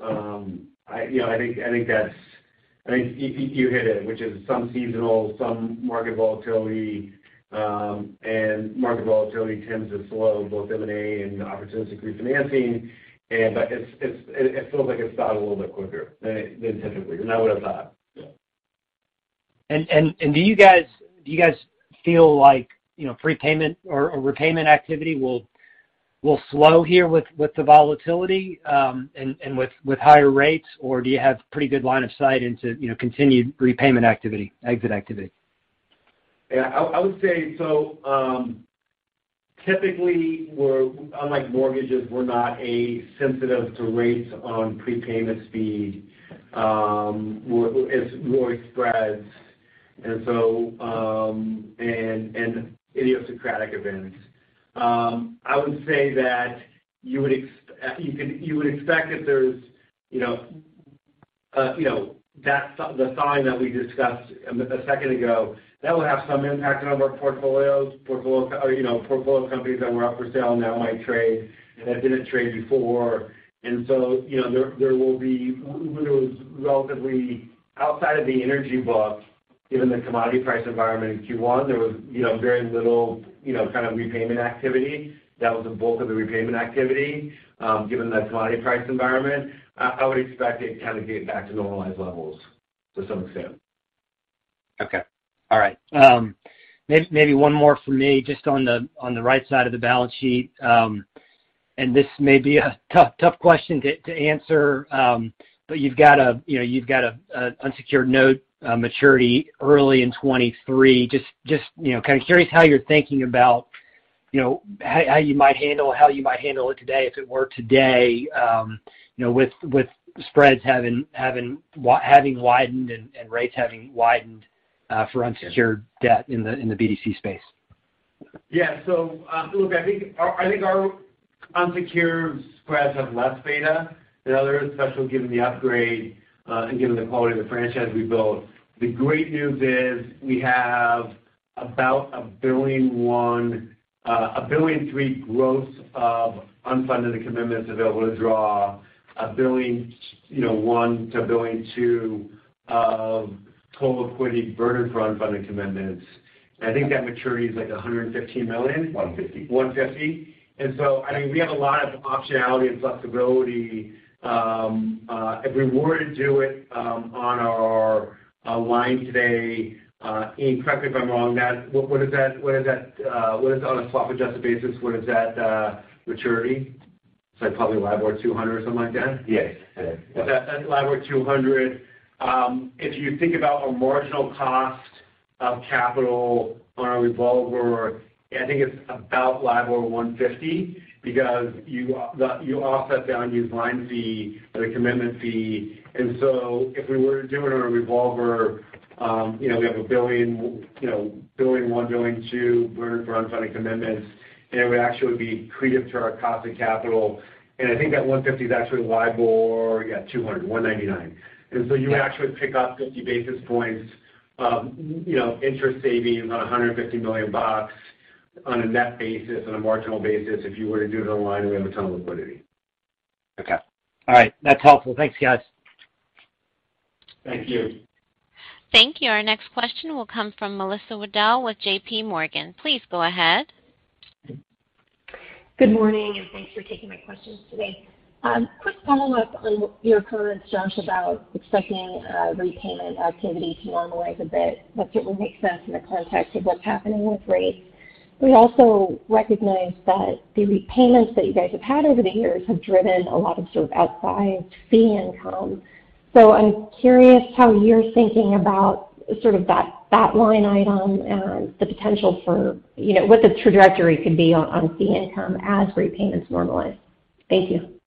think you hit it, which is some seasonal, some market volatility. Market volatility tends to slow both M&A and opportunistic refinancing. It feels like it stopped a little bit quicker than typically I would've thought. Yeah. Do you guys feel like, you know, prepayment or repayment activity will slow here with the volatility, and with higher rates, or do you have pretty good line of sight into, you know, continued repayment activity, exit activity? Yeah. I would say so. Typically we're unlike mortgages, we're not as sensitive to rates on prepayment speed. It's more spreads and so, and idiosyncratic events. I would say that you would expect if there's, you know, you know, the size that we discussed a second ago, that will have some impact on our portfolios. Portfolio companies you know that were up for sale now might trade and hadn't been traded before. You know, there will be. When there was relatively little outside of the energy book, given the commodity price environment in Q1, there was, you know, very little, you know, kind of repayment activity. That was the bulk of the repayment activity, given the commodity price environment. I would expect it to kind of get back to normalized levels to some extent. Okay. All right. Maybe one more from me just on the right side of the balance sheet. This may be a tough question to answer. You've got a, you know, an unsecured note maturity early in 2023. Just, you know, kind of curious how you're thinking about how you might handle it today if it were today, you know, with spreads having widened and rates having widened for unsecured debt in the BDC space. Yeah. Look, I think our unsecured spreads have less beta than others, especially given the upgrade, and given the quality of the franchise we built. The great news is we have about $1.3 billion gross of unfunded commitments available to draw, $1.1 billion to $1.2 billion of total equity burdened for unfunded commitments. I think that maturity is like $150 million. I think we have a lot of optionality and flexibility. If we were to do it on our line today, Ian, correct me if I'm wrong, what is that on a swap-adjusted basis? What is that maturity? It's like probably LIBOR 200 or something like that. Yes. Okay. That's LIBOR 200. If you think about a marginal cost of capital on our revolver, I think it's about LIBOR 150 because you offset the unused line fee or the commitment fee. If we were to do it on a revolver, you know, we have a billion, you know, $1.1 billion, $1.2 billion burdened for unfunded commitments, and it would actually be accretive to our cost of capital. I think that 150 is actually LIBOR, yeah, 200, 199. You actually pick up 50 basis points of, you know, interest savings on $150 million on a net basis, on a marginal basis if you were to do it on the line, and we have a ton of liquidity. Okay. All right. That's helpful. Thanks, guys. Thank you. Thank you. Thank you. Our next question will come from Melissa Wedel with JPMorgan. Please go ahead. Good morning, and thanks for taking my questions today. Quick follow-up on your comments, Josh, about expecting repayment activity to normalize a bit. That certainly makes sense in the context of what's happening with rates. We also recognize that the repayments that you guys have had over the years have driven a lot of sort of outsized fee income. I'm curious how you're thinking about sort of that line item and the potential for, you know, what the trajectory could be on fee income as repayments normalize. Thank you.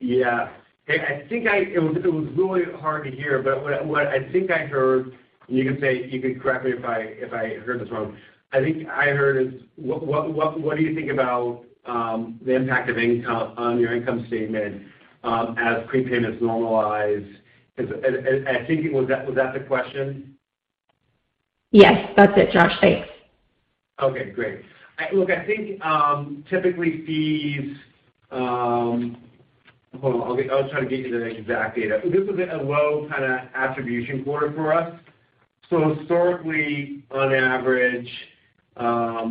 Yeah. I think it was really hard to hear, but what I think I heard, and you can say you can correct me if I heard this wrong. I think I heard is what do you think about the impact of income on your income statement as prepayments normalize? Was that the question? Yes, that's it, Josh. Thanks. Okay, great. Look, I think typically fees. Hold on. I'll try to get you the exact data. This was a low kind of origination quarter for us. Historically, on average, let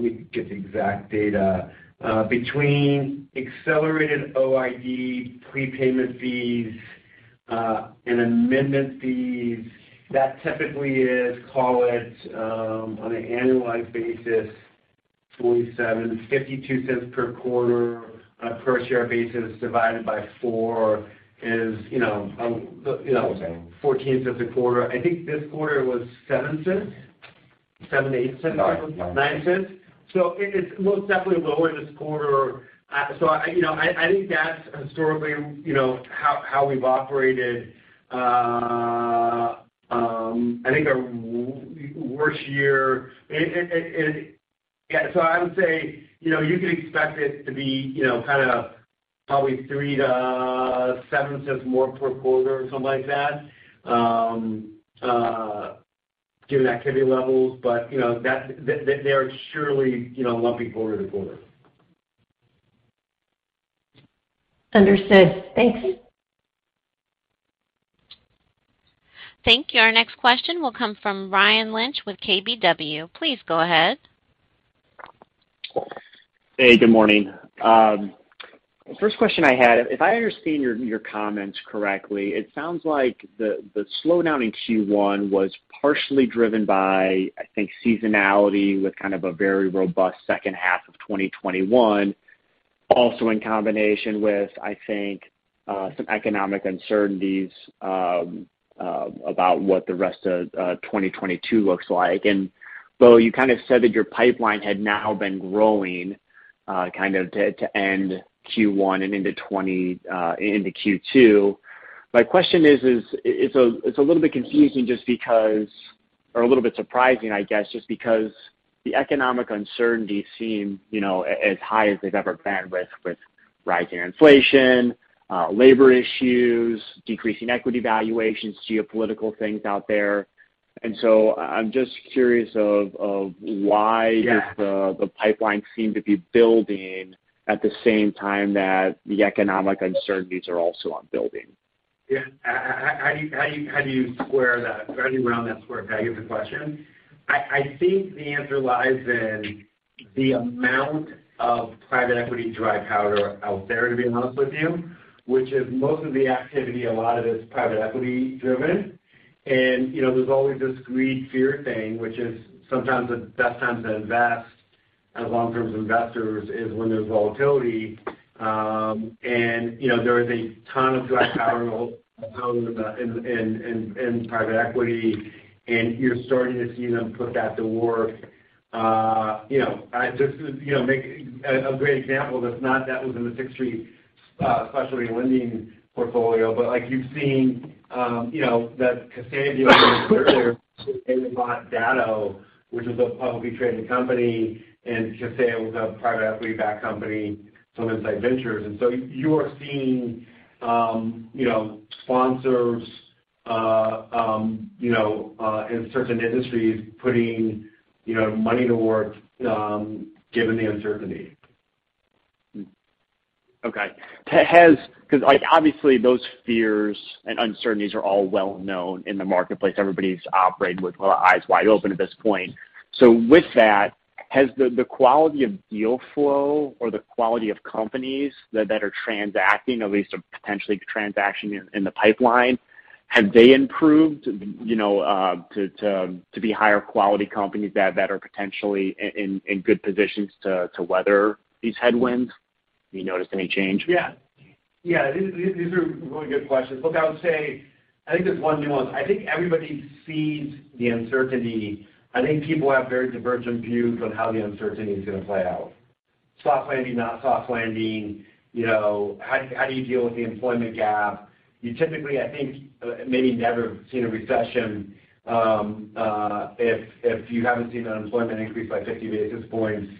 me get the exact data. Between accelerated OID prepayment fees and amendment fees, that typically is, call it, on an annualized basis, $0.47-$0.52 per quarter on a per share basis divided by four is, you know, $0.14 a quarter. I think this quarter was $0.07, $0.08. $0.09 $0.09. It is most definitely lower this quarter. I think that's historically, you know, how we've operated. I think our worst year. Yeah. I would say, you know, you could expect it to be, you know, kinda probably $0.03-$0.07 more per quarter or something like that, given the activity levels. You know, that's-- they're surely, you know, lumpy quarter to quarter. Understood. Thanks. Thank you. Our next question will come from Ryan Lynch with KBW. Please go ahead. Hey, good morning. First question I had, if I understand your comments correctly, it sounds like the slowdown in Q1 was partially driven by, I think, seasonality with kind of a very robust second half of 2021, also in combination with, I think, some economic uncertainties about what the rest of 2022 looks like. Bo, you kind of said that your pipeline had now been growing kind of to end Q1 and into Q2. My question is, it's a little bit confusing just because or a little bit surprising, I guess, just because the economic uncertainties seem, you know, as high as they've ever been with rising inflation, labor issues, decreasing equity valuations, geopolitical things out there. I'm just curious of why. Yeah. Just the pipeline seem to be building at the same time that the economic uncertainties are also building. Yeah. How do you square that? How do you round that square peg is the question. I think the answer lies in the amount of private equity dry powder out there, to be honest with you, which is most of the activity, a lot of it is private equity driven. You know, there's always this greed fear thing, which is sometimes the best time to invest as long-term investors is when there's volatility. You know, there is a ton of dry powder out in the private equity, and you're starting to see them put that to work. You know, just to make a great example that's not in the Sixth Street Specialty Lending portfolio, but like you've seen, you know, that Kaseya earlier they bought Datto, which is a publicly traded company, and Kaseya was a private equity-backed company from Insight Partners. You are seeing, you know, sponsors in certain industries putting, you know, money to work, given the uncertainty. Okay. 'Cause like, obviously those fears and uncertainties are all well known in the marketplace. Everybody's operating with eyes wide open at this point. With that, has the quality of deal flow or the quality of companies that are transacting at least a potential transaction in the pipeline, have they improved, you know, to be higher quality companies that are potentially in good positions to weather these headwinds? Have you noticed any change? Yeah. Yeah. These are really good questions. Look, I would say, I think there's one nuance. I think everybody sees the uncertainty. I think people have very divergent views on how the uncertainty is gonna play out. Soft landing, not soft landing. You know, how do you deal with the employment gap? You typically, I think, maybe never seen a recession, if you haven't seen unemployment increase by 50 basis points.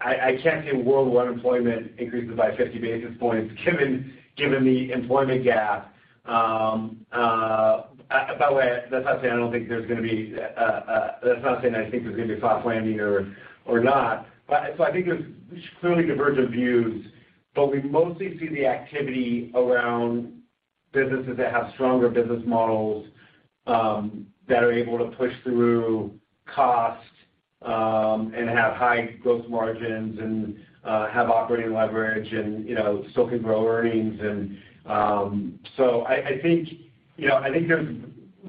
I can't see a world where unemployment increases by 50 basis points given the employment gap. By the way, that's not saying I don't think there's gonna be, that's not saying I think there's gonna be a soft landing or not. I think there's clearly divergent views. We mostly see the activity around businesses that have stronger business models, that are able to push through cost, and have high growth margins and have operating leverage and, you know, still can grow earnings. I think, you know, I think there's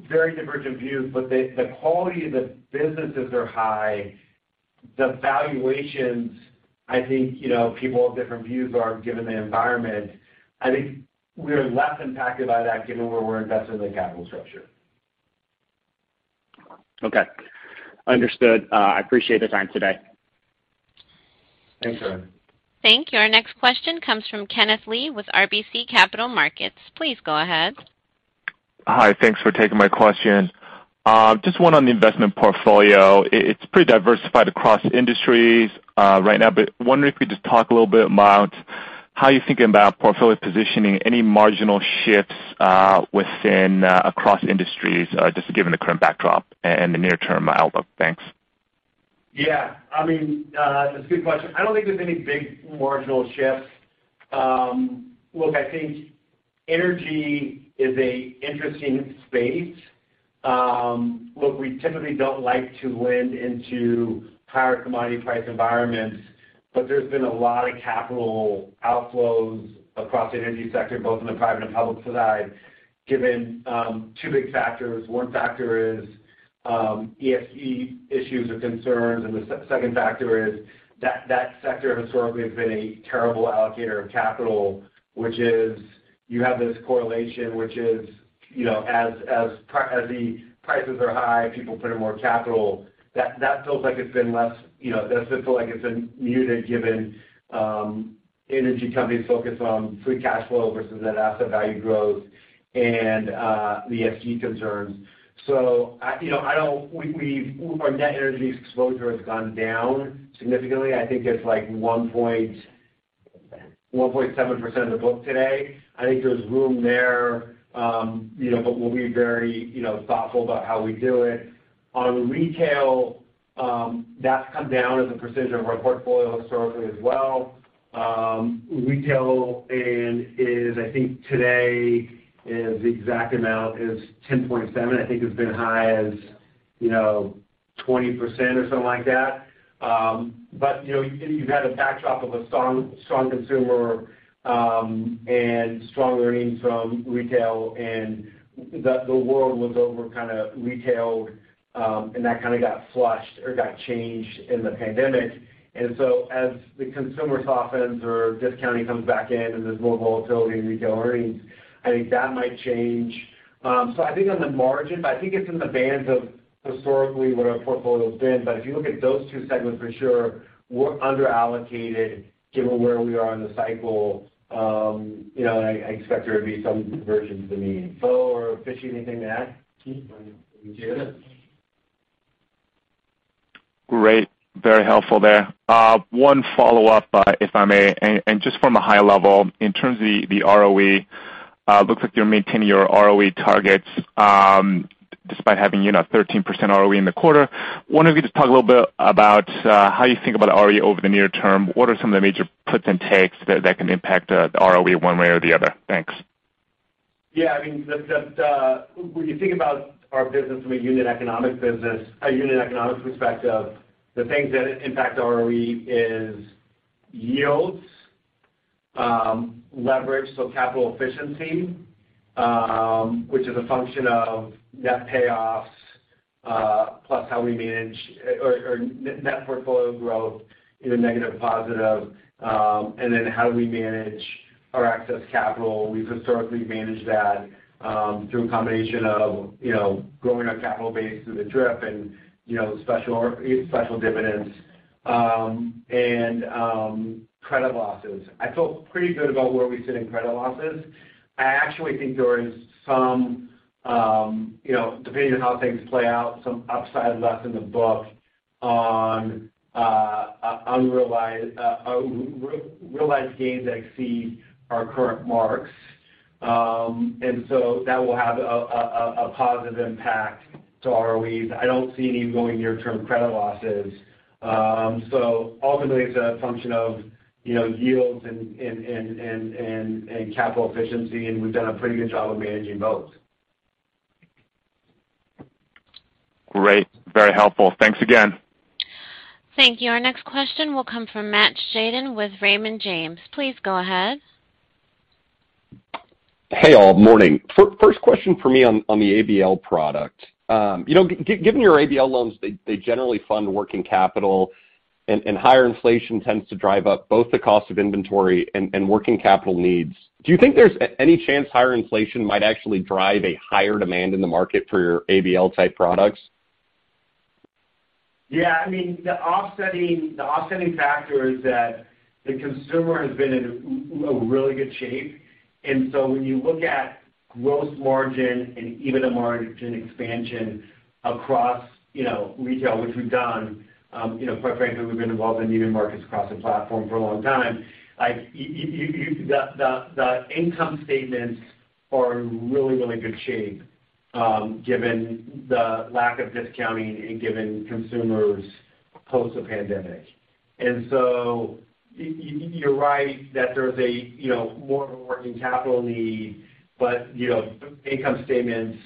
very divergent views, but the quality of the businesses are high. The valuations, I think, you know, people have different views are given the environment. I think we are less impacted by that given where we're invested in the capital structure. Okay. Understood. I appreciate the time today. Thanks, Ryan. Thank you. Our next question comes from Kenneth Lee with RBC Capital Markets. Please go ahead. Hi. Thanks for taking my question. Just one on the investment portfolio. It's pretty diversified across industries right now, but wondering if you could just talk a little bit about how are you thinking about portfolio positioning? Any marginal shifts within across industries just given the current backdrop and the near-term outlook? Thanks. Yeah. I mean, that's a good question. I don't think there's any big marginal shifts. Look, I think energy is an interesting space. Look, we typically don't like to lend into higher commodity price environments, but there's been a lot of capital outflows across the energy sector, both in the private and public side, given two big factors. One factor is ESG issues or concerns, and the second factor is that sector historically has been a terrible allocator of capital, which is you have this correlation, which is, you know, as the prices are high, people put in more capital. That feels like it's been less, you know, that feels like it's been muted, given energy companies focus on free cash flow versus that asset value growth and the ESG concerns. You know, I don't... Our net energy exposure has gone down significantly. I think it's like 1.7% of the book today. I think there's room there, you know, but we'll be very, you know, thoughtful about how we do it. On retail, that's come down as a position of our portfolio historically as well. Retail and, I think today, is the exact amount is 10.7%. I think it's been high as, you know, 20% or something like that. You know, you've had a backdrop of a strong consumer, and strong earnings from retail and the world was over-retailed, and that kind of got flushed or got changed in the pandemic. As the consumer softens or discounting comes back in and there's more volatility in retail earnings, I think that might change. I think on the margin, but I think it's in the bands of historically what our portfolio has been. If you look at those two segments for sure, we're under-allocated given where we are in the cycle. You know, I expect there to be some convergence to mean. Bo or Chris, anything to add? No. Okay. Great. Very helpful there. One follow-up, if I may, and just from a high level, in terms of the ROE, looks like you're maintaining your ROE targets, despite having, you know, 13% ROE in the quarter. Wanted you to talk a little bit about how you think about ROE over the near term. What are some of the major puts and takes that can impact the ROE one way or the other? Thanks. Yeah. I mean, when you think about our business from a unit economics perspective, the things that impact ROE is yields, leverage, so capital efficiency, which is a function of net payoffs, plus how we manage our net portfolio growth, either negative or positive, and then how do we manage our excess capital. We've historically managed that through a combination of, you know, growing our capital base through the DRIP and, you know, special dividends, and credit losses. I feel pretty good about where we sit in credit losses. I actually think there is some, you know, depending on how things play out, some upside left in the book on unrealized gains that exceed our current marks. That will have a positive impact to ROEs. I don't see any ongoing near-term credit losses. Ultimately, it's a function of, you know, yields and capital efficiency, and we've done a pretty good job of managing both. Great. Very helpful. Thanks again. Thank you. Our next question will come from Matt Tjaden with Raymond James. Please go ahead. Hey, all. Morning. First question for me on the ABL product. You know, given your ABL loans, they generally fund working capital and higher inflation tends to drive up both the cost of inventory and working capital needs. Do you think there's any chance higher inflation might actually drive a higher demand in the market for your ABL-type products? Yeah. I mean, the offsetting factor is that the consumer has been in really good shape. When you look at gross margin and even a margin expansion across, you know, retail, which we've done, you know, quite frankly, we've been involved in muted markets across the platform for a long time. Like, the income statements are in really, really good shape, given the lack of discounting and given consumers post the pandemic. You're right that there's a, you know, more of a working capital need, but, you know, income statements,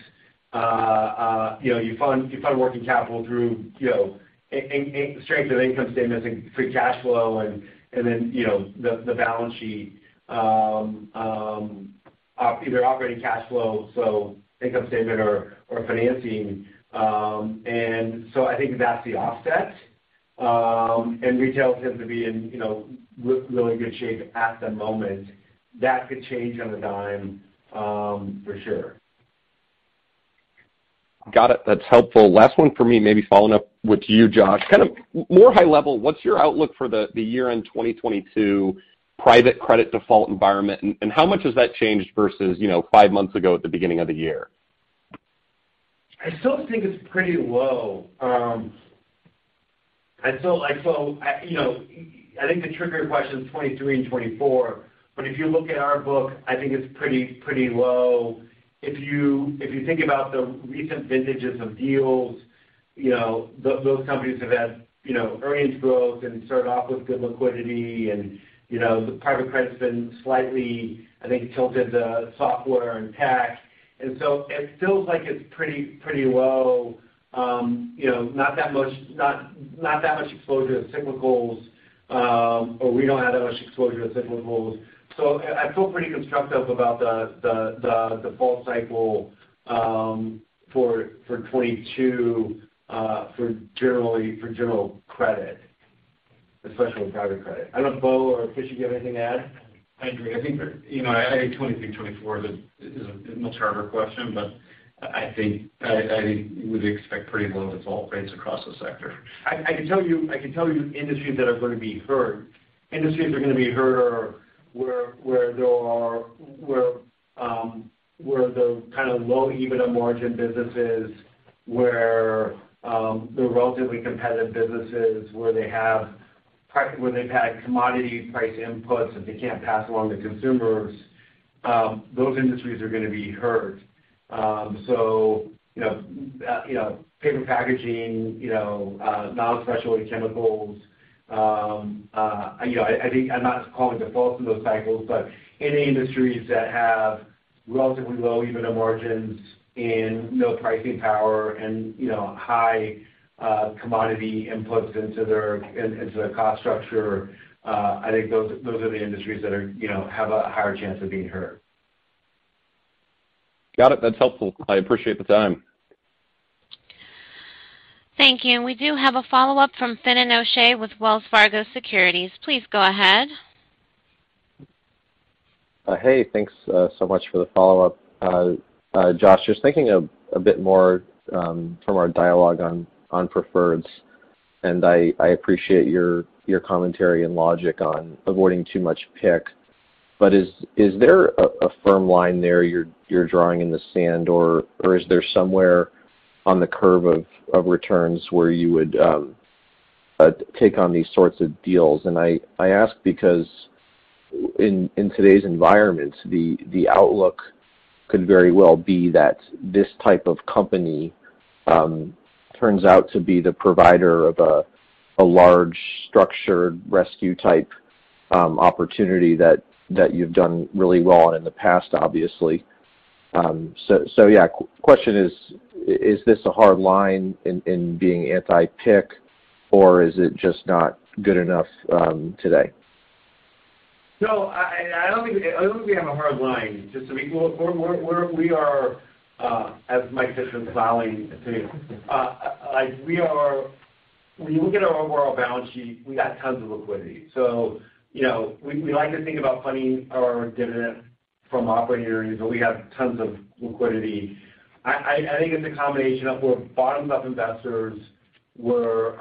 you know, you fund working capital through the strength of income statement is in free cash flow and then, you know, the balance sheet, either operating cash flow, so income statement or financing. I think that's the offset. Retail tends to be in, you know, really good shape at the moment. That could change on a dime, for sure. Got it. That's helpful. Last one for me, maybe following up with you, Josh. Kind of more high level, what's your outlook for the year-end 2022 private credit default environment, and how much has that changed versus, you know, five months ago at the beginning of the year? I still think it's pretty low. You know, I think the trickier question is 2023 and 2024, but if you look at our book, I think it's pretty low. If you think about the recent vintages of deals, you know, those companies have had you know earnings growth and started off with good liquidity and you know the private credit's been slightly, I think, tilted to software and tech. It feels like it's pretty low. You know, not that much exposure to cyclicals, or we don't have that much exposure to cyclicals. I feel pretty constructive about the default cycle for 2022, for general credit, especially with private credit. I don't know if Bo or Chris, you have anything to add? I agree. I think, you know, I think 2023, 2024 is a much harder question, but I think I would expect pretty low default rates across the sector. I can tell you industries that are gonna be hurt. Industries that are gonna be hurt are where the kind of low EBITDA margin businesses, where the relatively competitive businesses, where they've had commodity price inputs that they can't pass along to consumers, those industries are gonna be hurt. You know, paper packaging, you know, non-specialty chemicals, you know, I think I'm not calling defaults in those cycles, but any industries that have relatively low EBITDA margins and no pricing power and, you know, high commodity inputs into their cost structure, I think those are the industries that have a higher chance of being hurt. Got it. That's helpful. I appreciate the time. Thank you. We do have a follow-up from Finian O'Shea with Wells Fargo Securities. Please go ahead. Hey, thanks so much for the follow-up. Josh, just thinking a bit more from our dialogue on preferreds, and I appreciate your commentary and logic on avoiding too much PIK. Is there a firm line there you're drawing in the sand or is there somewhere on the curve of returns where you would take on these sorts of deals? I ask because in today's environments, the outlook could very well be that this type of company turns out to be the provider of a large structured rescue-type opportunity that you've done really well on in the past, obviously. Yeah. Question is this a hard line in being anti-PIK or is it just not good enough today? No, I don't think we have a hard line, just to be. We are, as Mike just was smiling too. When you look at our overall balance sheet, we got tons of liquidity. So, you know, we like to think about funding our dividend from operating earnings, but we have tons of liquidity. I think it's a combination of we're bottoms-up investors, so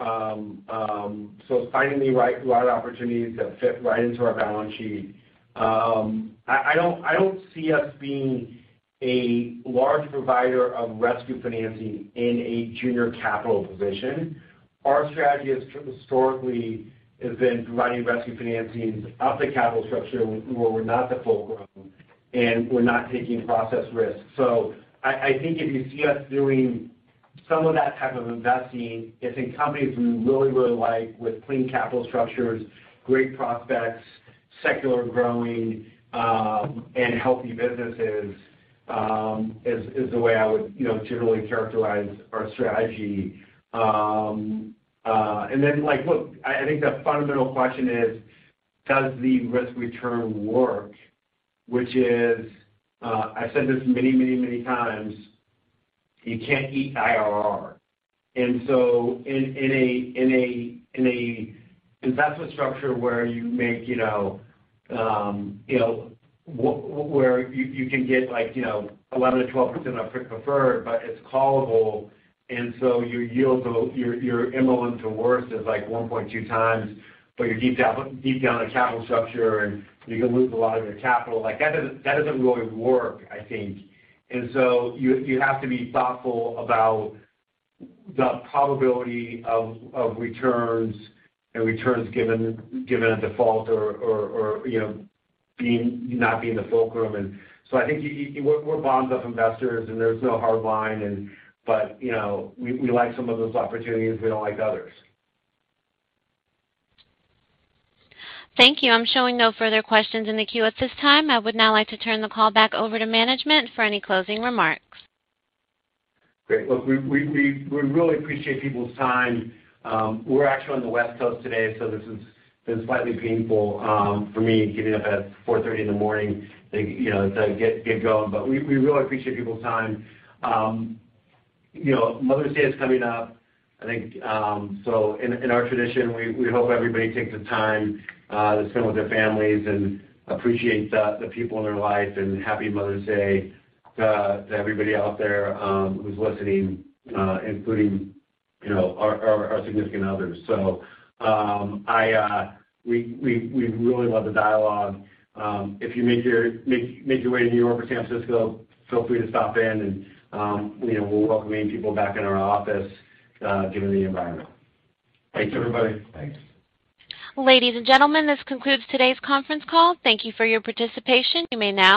finding the right lot of opportunities that fit right into our balance sheet. I don't see us being a large provider of rescue financing in a junior capital position. Our strategy historically has been providing rescue financings up the capital structure where we're not the fulcrum and we're not taking process risk. I think if you see us doing some of that type of investing, it's in companies we really like with clean capital structures, great prospects, secular growing, and healthy businesses, is the way I would, you know, generally characterize our strategy. Like look, I think the fundamental question is: Does the risk-return work? Which is, I've said this many times, you can't eat IRR. In an investment structure where you make, you know, you know, where you can get like, you know, 11%-12% on preferred, but it's callable and so your yield goes. Your MOIC to worst is like 1.2 times, but you're deep down the capital structure and you can lose a lot of your capital. Like that doesn't really work, I think. You have to be thoughtful about the probability of returns and returns given a default or, you know, not being the fulcrum. We're bottoms-up investors and there's no hard line, but you know, we like some of those opportunities, we don't like others. Thank you. I'm showing no further questions in the queue at this time. I would now like to turn the call back over to management for any closing remarks. Great. Look, we really appreciate people's time. We're actually on the West Coast today, so this has been slightly painful for me getting up at 4:30 A.M., you know, to get going. We really appreciate people's time. You know, Mother's Day is coming up, I think, so in our tradition, we hope everybody takes the time to spend with their families and appreciate the people in their life. Happy Mother's Day to everybody out there who's listening, including, you know, our significant others. We really love the dialogue. If you make your way to New York or San Francisco, feel free to stop in and, you know, we're welcoming people back in our office, given the environment. Thanks, everybody. Thanks. Ladies and gentlemen, this concludes today's conference call. Thank you for your participation. You may now disconnect.